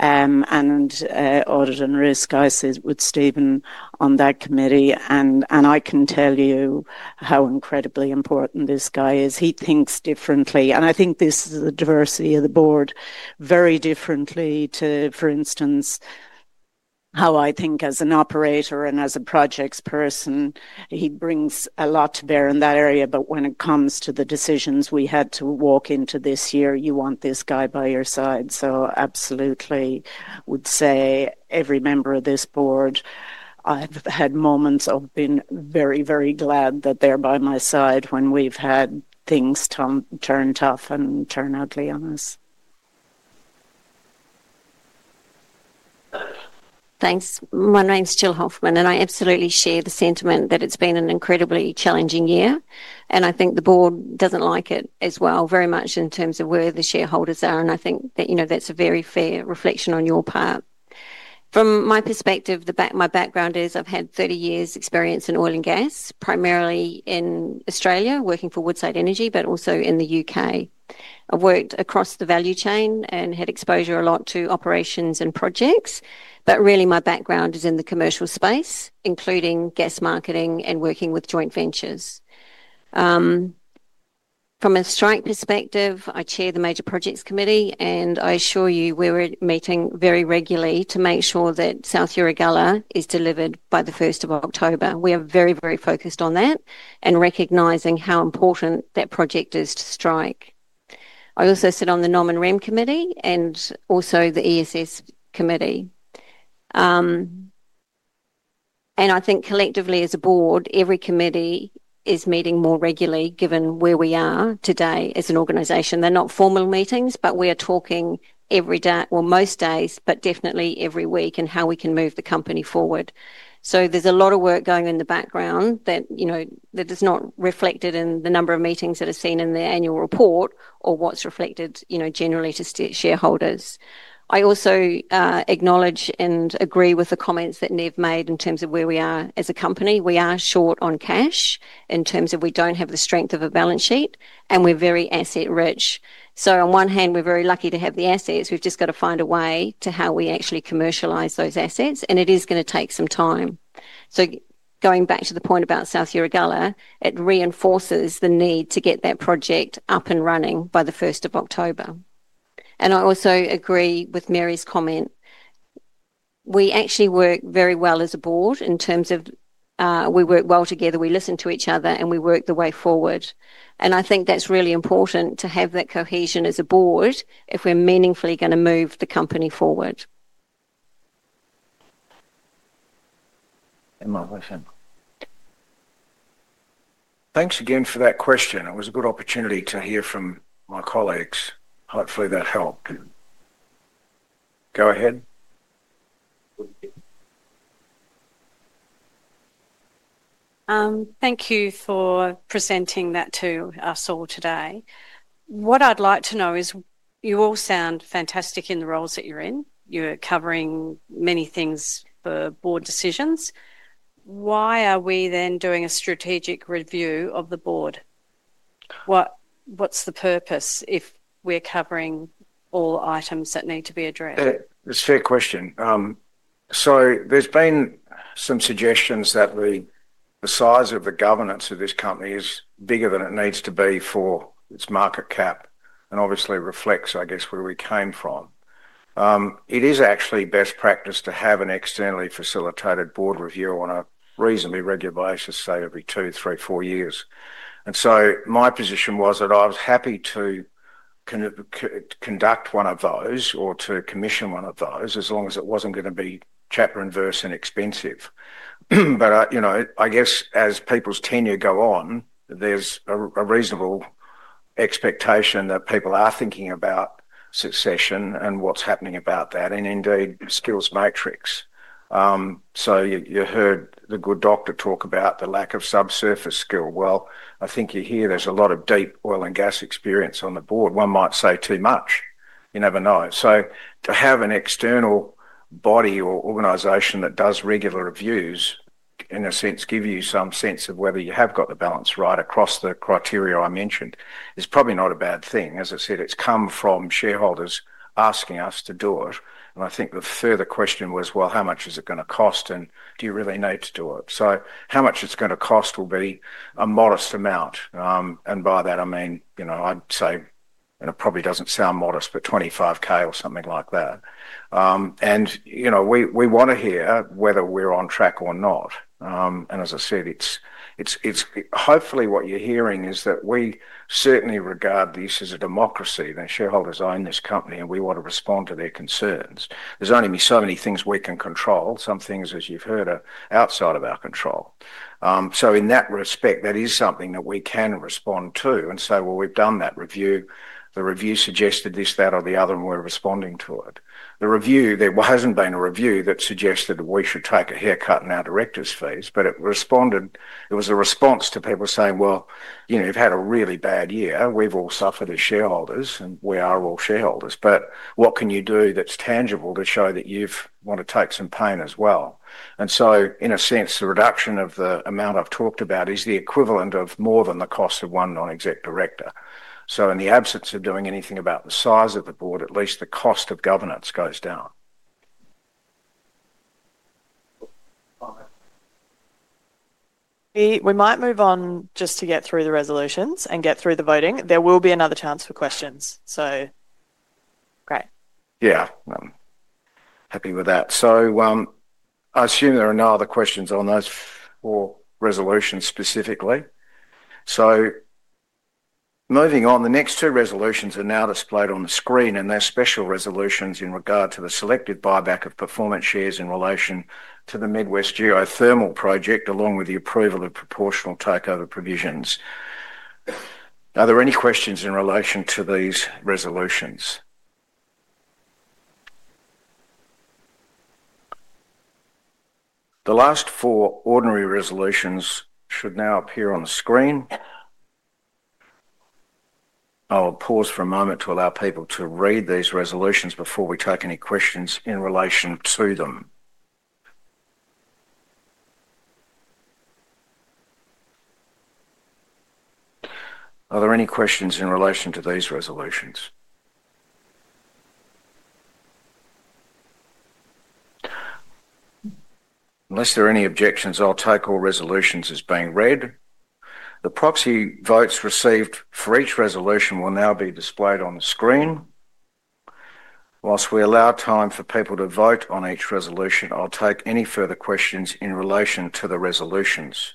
Audit and Risk, I sit with Stephen on that committee. I can tell you how incredibly important this guy is. He thinks differently. I think this is the diversity of the Board, very differently to, for instance, how I think as an operator and as a projects person, he brings a lot to bear in that area. When it comes to the decisions we had to walk into this year, you want this guy by your side. I absolutely would say every member of this Board, I've had moments of being very, very glad that they're by my side when we've had things turn tough and turn ugly on us. Thanks. My name's Jill Hoffmann, and I absolutely share the sentiment that it's been an incredibly challenging year. I think the Board doesn't like it as well, very much in terms of where the shareholders are. I think that's a very fair reflection on your part. From my perspective, my background is I've had 30 years' experience in Oil and Gas, primarily in Australia, working for Woodside Energy, but also in the U.K. I've worked across the value chain and had exposure a lot to operations and projects. Really, my background is in the commercial space, including gas marketing and working with joint ventures. From a Strike perspective, I Chair the major projects committee, and I assure you we're meeting very regularly to make sure that South Erregulla is delivered by the 1st of October. We are very, very focused on that and recognizing how important that project is to Strike. I also sit on the Nom and Rem Committee and also the ESS committee. I think collectively as a Board, every committee is meeting more regularly given where we are today as an organization. They're not formal meetings, but we are talking every day or most days, but definitely every week and how we can move the company forward. There is a lot of work going in the background that is not reflected in the number of meetings that are seen in the annual report or what is reflected generally to shareholders. I also acknowledge and agree with the comments that Nev made in terms of where we are as a company. We are short on cash in terms of we do not have the strength of a balance sheet, and we are very asset-rich. On one hand, we are very lucky to have the assets. We have just got to find a way to how we actually commercialise those assets, and it is going to take some time. Going back to the point about South Erregulla, it reinforces the need to get that project up and running by the 1st of October. I also agree with Mary's comment. We actually work very well as a Board in terms of we work well together, we listen to each other, and we work the way forward. I think that's really important to have that cohesion as a Board if we're meaningfully going to move the company forward. [audio disortion]question. Thanks again for that question. It was a good opportunity to hear from my colleagues. Hopefully, that helped. Go ahead. Thank you for presenting that to us all today. What I'd like to know is you all sound fantastic in the roles that you're in. You're covering many things for board decisions. Why are we then doing a strategic review of the board? What's the purpose if we're covering all items that need to be addressed? It's a fair question. There's been some suggestions that the size of the governance of this company is bigger than it needs to be for its market cap and obviously reflects, I guess, where we came from. It is actually best practice to have an externally facilitated Board review on a reasonably regular basis, say, every two, three, four years. My position was that I was happy to conduct one of those or to commission one of those as long as it wasn't going to be chaperoned versus expensive. I guess as people's tenure go on, there's a reasonable expectation that people are thinking about succession and what's happening about that and indeed skills matrix. You heard the good doctor talk about the lack of subsurface skill. I think you hear there's a lot of deep Oil and Gas experience on the Board. One might say too much. You never know. To have an external body or organization that does regular reviews, in a sense, gives you some sense of whether you have got the balance right across the criteria I mentioned is probably not a bad thing. As I said, it's come from shareholders asking us to do it. I think the further question was, how much is it going to cost and do you really need to do it? How much it's going to cost will be a modest amount. By that, I mean, I'd say, and it probably doesn't sound modest, but 25,000 or something like that. We want to hear whether we're on track or not. As I said, hopefully what you're hearing is that we certainly regard this as a democracy. The shareholders own this company, and we want to respond to their concerns. There are only so many things we can control. Some things, as you've heard, are outside of our control. In that respect, that is something that we can respond to and say, we've done that review. The review suggested this, that, or the other, and we're responding to it. There has not been a review that suggested we should take a haircut in our Directors' fees, but it responded. It was a response to people saying, you've had a really bad year. We've all suffered as shareholders, and we are all shareholders. What can you do that's tangible to show that you want to take some pain as well? In a sense, the reduction of the amount I've talked about is the equivalent of more than the cost of one non-exec Director. In the absence of doing anything about the size of the Board, at least the cost of governance goes down. We might move on just to get through the resolutions and get through the voting. There will be another chance for questions. Great. Yeah. Happy with that. I assume there are no other questions on those four resolutions specifically. Moving on, the next two resolutions are now displayed on the screen, and they're special resolutions in regard to the selected buyback of performance shares in relation to the Midwest Geothermal Project, along with the approval of proportional takeover provisions. Are there any questions in relation to these resolutions? The last four ordinary resolutions should now appear on the screen. I'll pause for a moment to allow people to read these resolutions before we take any questions in relation to them. Are there any questions in relation to these resolutions? Unless there are any objections, I'll take all resolutions as being read. The proxy votes received for each resolution will now be displayed on the screen. Whilst we allow time for people to vote on each resolution, I'll take any further questions in relation to the resolutions.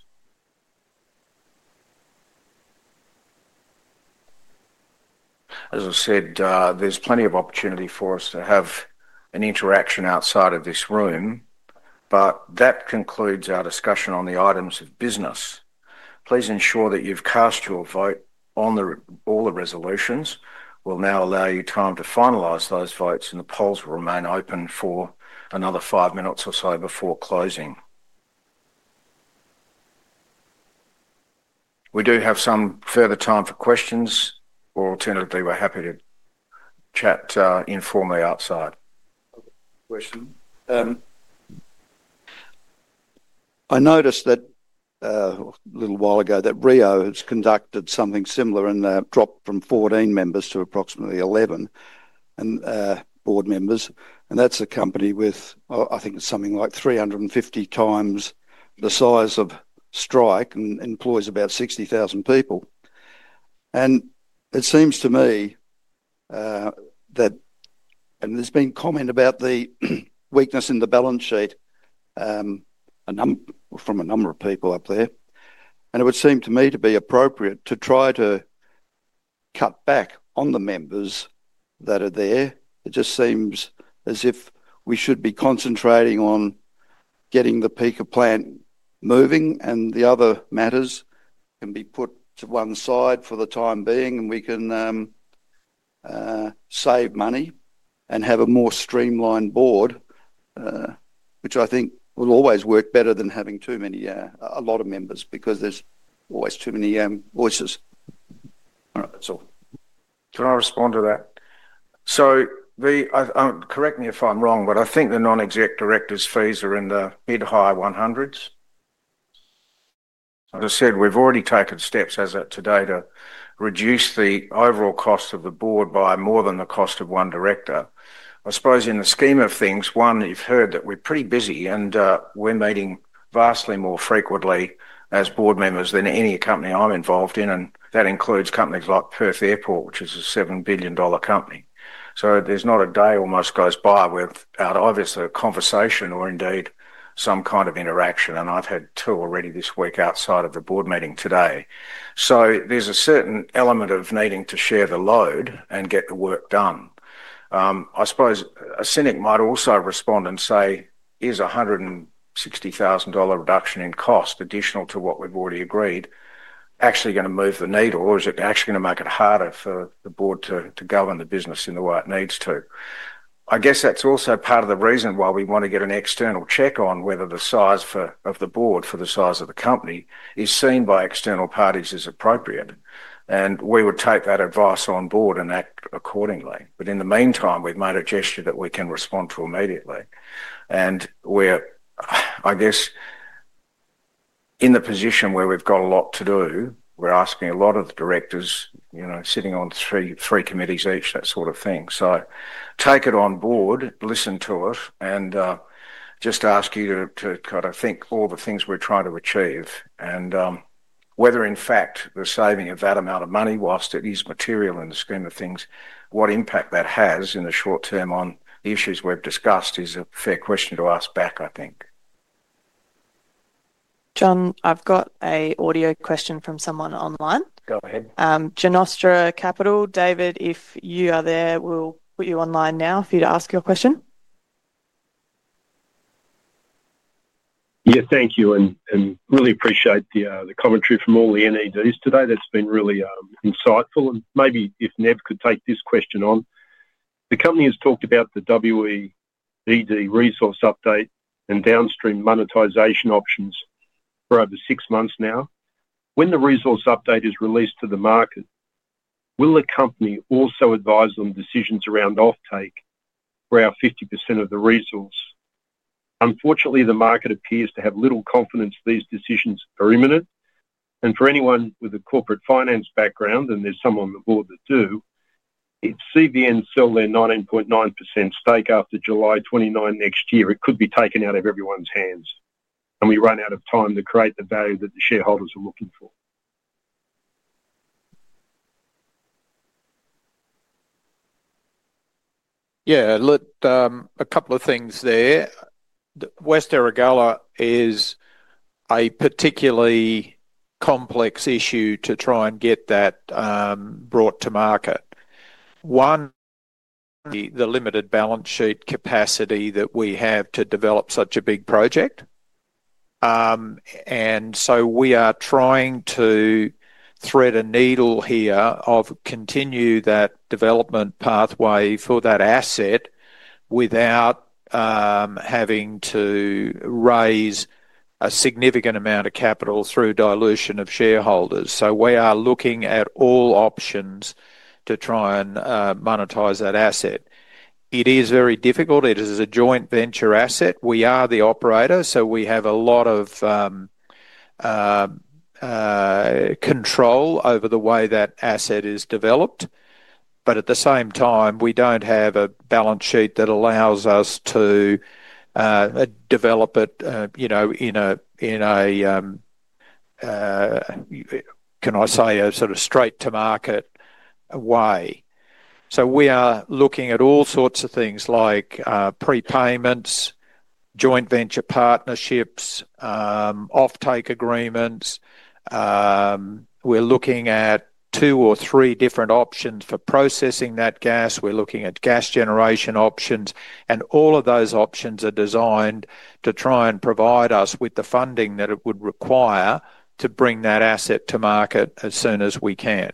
As I said, there's plenty of opportunity for us to have an interaction outside of this room, but that concludes our discussion on the items of business. Please ensure that you've cast your vote on all the resolutions. We'll now allow you time to finalize those votes, and the polls will remain open for another five minutes or so before closing. We do have some further time for questions, or alternatively, we're happy to chat informally outside. Question. I noticed a little while ago that Rio has conducted something similar in their drop from 14 members to approximately 11 Board members. That is a company with, I think it's something like 350x the size of Strike and employs about 60,000 people. It seems to me that, and there's been comment about the weakness in the balance sheet from a number of people up there. It would seem to me to be appropriate to try to cut back on the members that are there. It just seems as if we should be concentrating on getting the peaking plant moving, and the other matters can be put to one side for the time being, and we can save money and have a more streamlined Board, which I think will always work better than having too many, a lot of members because there's always too many voices. All right. That's all. Can I respond to that? So correct me if I'm wrong, but I think the non-exec Directors' fees are in the mid-high 100s. As I said, we've already taken steps as of today to reduce the overall cost of the Board by more than the cost of one director. I suppose in the scheme of things, one, you've heard that we're pretty busy, and we're meeting vastly more frequently as Board members than any company I'm involved in. That includes companies like Perth Airport, which is a 7 billion dollar company. There is not a day almost goes by without either a conversation or indeed some kind of interaction. I have had two already this week outside of the board meeting today. There is a certain element of needing to share the load and get the work done. I suppose a cynic might also respond and say, "Is a 160,000 dollar reduction in cost, additional to what we have already agreed, actually going to move the needle, or is it actually going to make it harder for the board to govern the business in the way it needs to?" I guess that is also part of the reason why we want to get an external check on whether the size of the Board for the size of the company is seen by external parties as appropriate. We would take that advice on board and act accordingly. In the meantime, we've made a gesture that we can respond to immediately. We're, I guess, in the position where we've got a lot to do. We're asking a lot of the Directors sitting on three committees each, that sort of thing. Take it on Board, listen to us, and just ask you to kind of think about all the things we're trying to achieve. Whether, in fact, the saving of that amount of money, whilst it is material in the scheme of things, what impact that has in the short term on the issues we've discussed is a fair question to ask back, I think. John, I've got an audio question from someone online. Go ahead. Janostra Capital. David, if you are there, we'll put you online now for you to ask your question. Yeah, thank you. I really appreciate the commentary from all the NEDs today. That has been really insightful. Maybe if Nev could take this question on. The company has talked about the WEDG resource update and downstream monetisation options for over six months now. When the resource update is released to the market, will the company also advise on decisions around offtake for our 50% of the resource? Unfortunately, the market appears to have little confidence these decisions are imminent. For anyone with a corporate finance background, and there are some on the board that do, if CVN sell their 19.9% stake after July 29 next year, it could be taken out of everyone's hands, and we run out of time to create the value that the shareholders are looking for. Yeah, a couple of things there. West Erregulla is a particularly complex issue to try and get that brought to market. One, the limited balance sheet capacity that we have to develop such a big project. We are trying to thread a needle here of continue that development pathway for that asset without having to raise a significant amount of capital through dilution of shareholders. We are looking at all options to try and monetize that asset. It is very difficult. It is a joint venture asset. We are the operator, so we have a lot of control over the way that asset is developed. At the same time, we do not have a balance sheet that allows us to develop it in a, can I say, a sort of straight-to-market way. We are looking at all sorts of things like prepayments, joint venture partnerships, offtake agreements. We're looking at two or three different options for processing that gas. We're looking at gas generation options. All of those options are designed to try and provide us with the funding that it would require to bring that asset to market as soon as we can.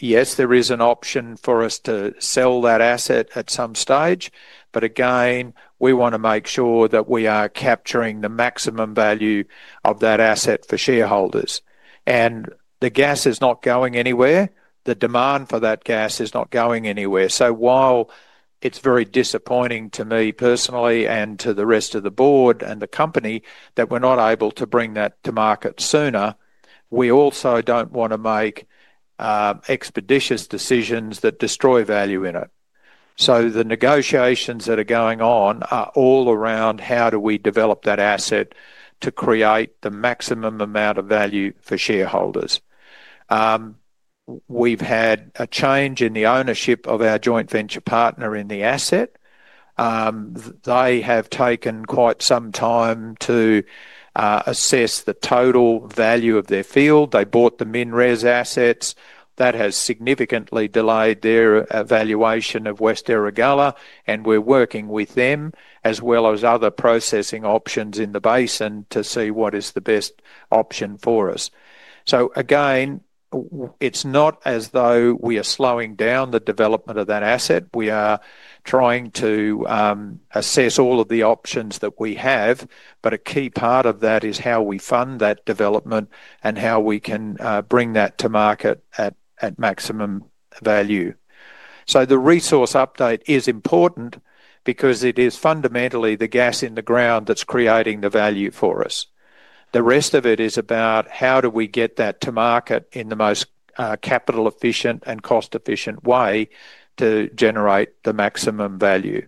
Yes, there is an option for us to sell that asset at some stage. We want to make sure that we are capturing the maximum value of that asset for shareholders. The gas is not going anywhere. The demand for that gas is not going anywhere. While it's very disappointing to me personally and to the rest of the board and the company that we're not able to bring that to market sooner, we also do not want to make expeditious decisions that destroy value in it. The negotiations that are going on are all around how do we develop that asset to create the maximum amount of value for shareholders. We've had a change in the ownership of our joint venture partner in the asset. They have taken quite some time to assess the total value of their field. They bought the MinRes assets. That has significantly delayed their valuation of West Erregulla. We're working with them, as well as other processing options in the Basin, to see what is the best option for us. It is not as though we are slowing down the development of that asset. We are trying to assess all of the options that we have. A key part of that is how we fund that development and how we can bring that to market at maximum value. The resource update is important because it is fundamentally the gas in the ground that is creating the value for us. The rest of it is about how do we get that to market in the most capital-efficient and cost-efficient way to generate the maximum value.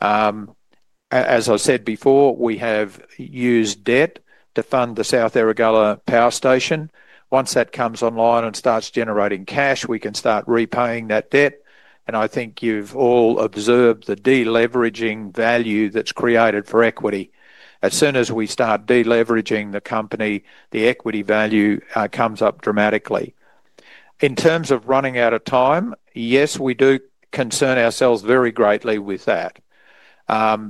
As I said before, we have used debt to fund the South Erregulla Power Station. Once that comes online and starts generating cash, we can start repaying that debt. I think you have all observed the deleveraging value that is created for equity. As soon as we start deleveraging the company, the equity value comes up dramatically. In terms of running out of time, yes, we do concern ourselves very greatly with that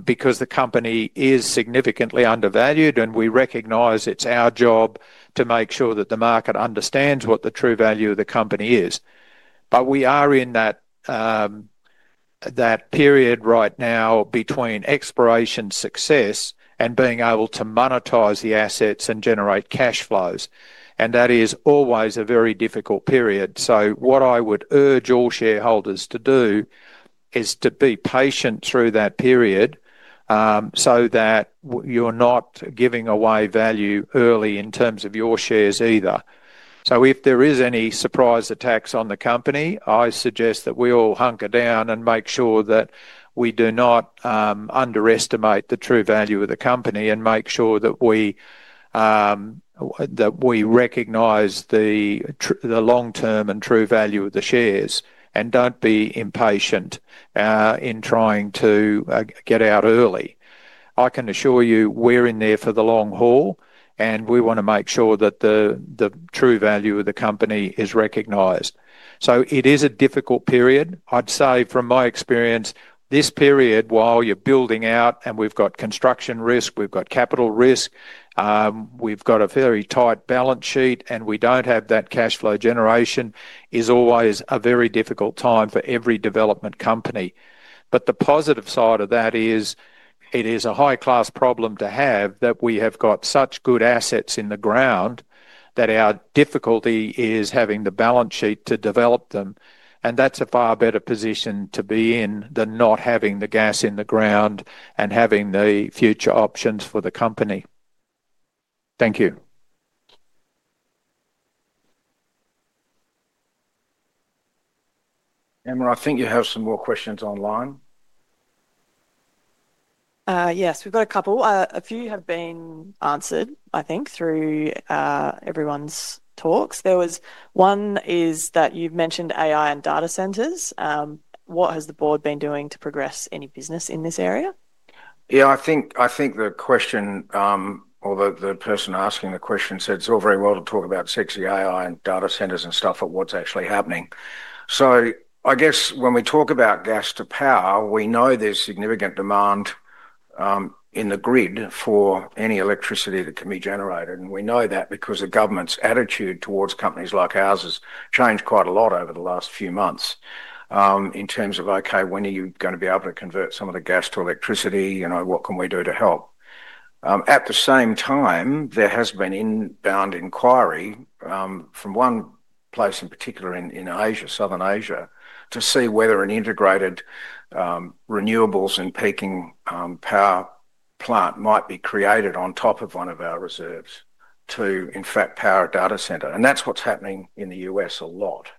because the company is significantly undervalued, and we recognize it is our job to make sure that the market understands what the true value of the company is. We are in that period right now between exploration success and being able to monetize the assets and generate cash flows. That is always a very difficult period. What I would urge all shareholders to do is to be patient through that period so that you're not giving away value early in terms of your shares either. If there is any surprise attacks on the company, I suggest that we all hunker down and make sure that we do not underestimate the true value of the company and make sure that we recognize the long-term and true value of the shares and do not be impatient in trying to get out early. I can assure you we are in there for the long haul, and we want to make sure that the true value of the company is recognized. It is a difficult period. I'd say, from my experience, this period, while you're building out and we've got construction risk, we've got capital risk, we've got a very tight balance sheet, and we don't have that cash flow generation, is always a very difficult time for every development company. The positive side of that is it is a high-class problem to have that we have got such good assets in the ground that our difficulty is having the balance sheet to develop them. That's a far better position to be in than not having the gas in the ground and having the future options for the company. Thank you. Emma, I think you have some more questions online. Yes, we've got a couple. A few have been answered, I think, through everyone's talks. One is that you've mentioned AI and data centres. What has the Board been doing to progress any business in this area? Yeah, I think the question, or the person asking the question, said it's all very well to talk about <audio distortion> AI and data centers and stuff, but what's actually happening? I guess when we talk about gas-to-power, we know there's significant demand in the grid for any electricity that can be generated. We know that because the government's attitude towards companies like ours has changed quite a lot over the last few months in terms of, "Okay, when are you going to be able to convert some of the gas to electricity? What can we do to help?" At the same time, there has been inbound inquiry from one place in particular in Asia, Southern Asia, to see whether an integrated renewables and peaking power plant might be created on top of one of our reserves to, in fact, power a data centre. That's what's happening in the U.S. a lot.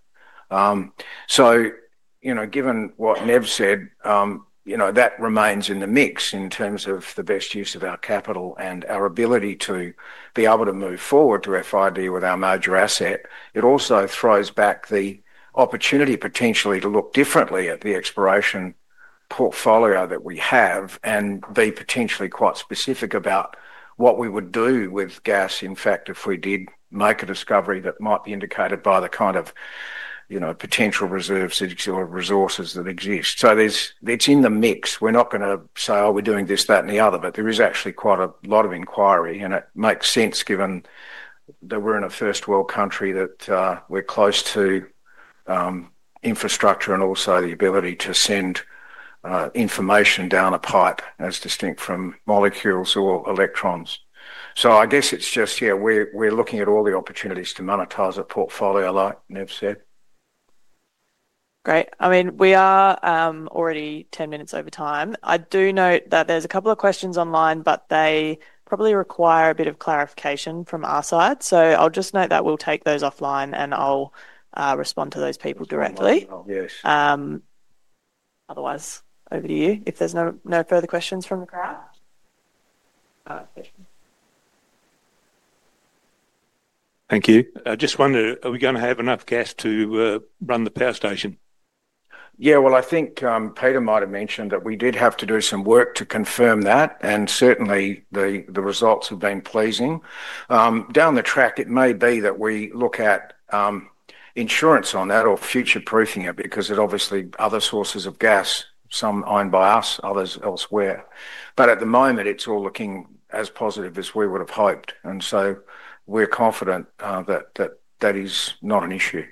Given what Nev said, that remains in the mix in terms of the best use of our capital and our ability to be able to move forward to FID with our major asset. It also throws back the opportunity potentially to look differently at the exploration portfolio that we have and be potentially quite specific about what we would do with gas, in fact, if we did make a discovery that might be indicated by the kind of potential reserves or resources that exist. It's in the mix. We're not going to say, "Oh, we're doing this, that, and the other," but there is actually quite a lot of inquiry. It makes sense given that we're in a first-world country, that we're close to infrastructure, and also the ability to send information down a pipe as distinct from molecules or electrons. I guess it's just, yeah, we're looking at all the opportunities to monetize a portfolio, like Nev said. Great. I mean, we are already 10 minutes over time. I do note that there's a couple of questions online, but they probably require a bit of clarification from our side. I'll just note that we'll take those offline, and I'll respond to those people directly. Otherwise, over to you if there's no further questions from the crowd. Thank you. I just wondered, are we going to have enough gas to run the Power Station? Yeah, I think Peter might have mentioned that we did have to do some work to confirm that. Certainly, the results have been pleasing. Down the track, it may be that we look at insurance on that or future-proofing it because it obviously has other sources of gas, some owned by us, others elsewhere. At the moment, it's all looking as positive as we would have hoped. We're confident that that is not an issue.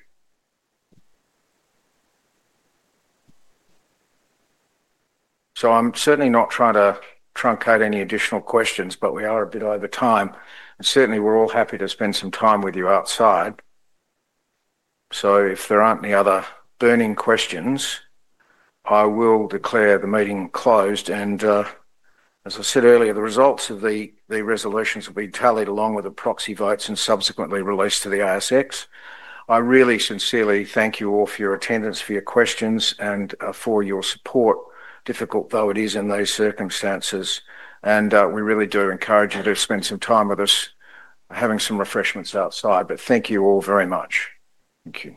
I'm certainly not trying to truncate any additional questions, but we are a bit over time. Certainly, we're all happy to spend some time with you outside. If there aren't any other burning questions, I will declare the meeting closed. As I said earlier, the results of the resolutions will be tallied along with the proxy votes and subsequently released to the ASX. I really sincerely thank you all for your attendance, for your questions, and for your support, difficult though it is in those circumstances. We really do encourage you to spend some time with us, having some refreshments outside. Thank you all very much. Thank you.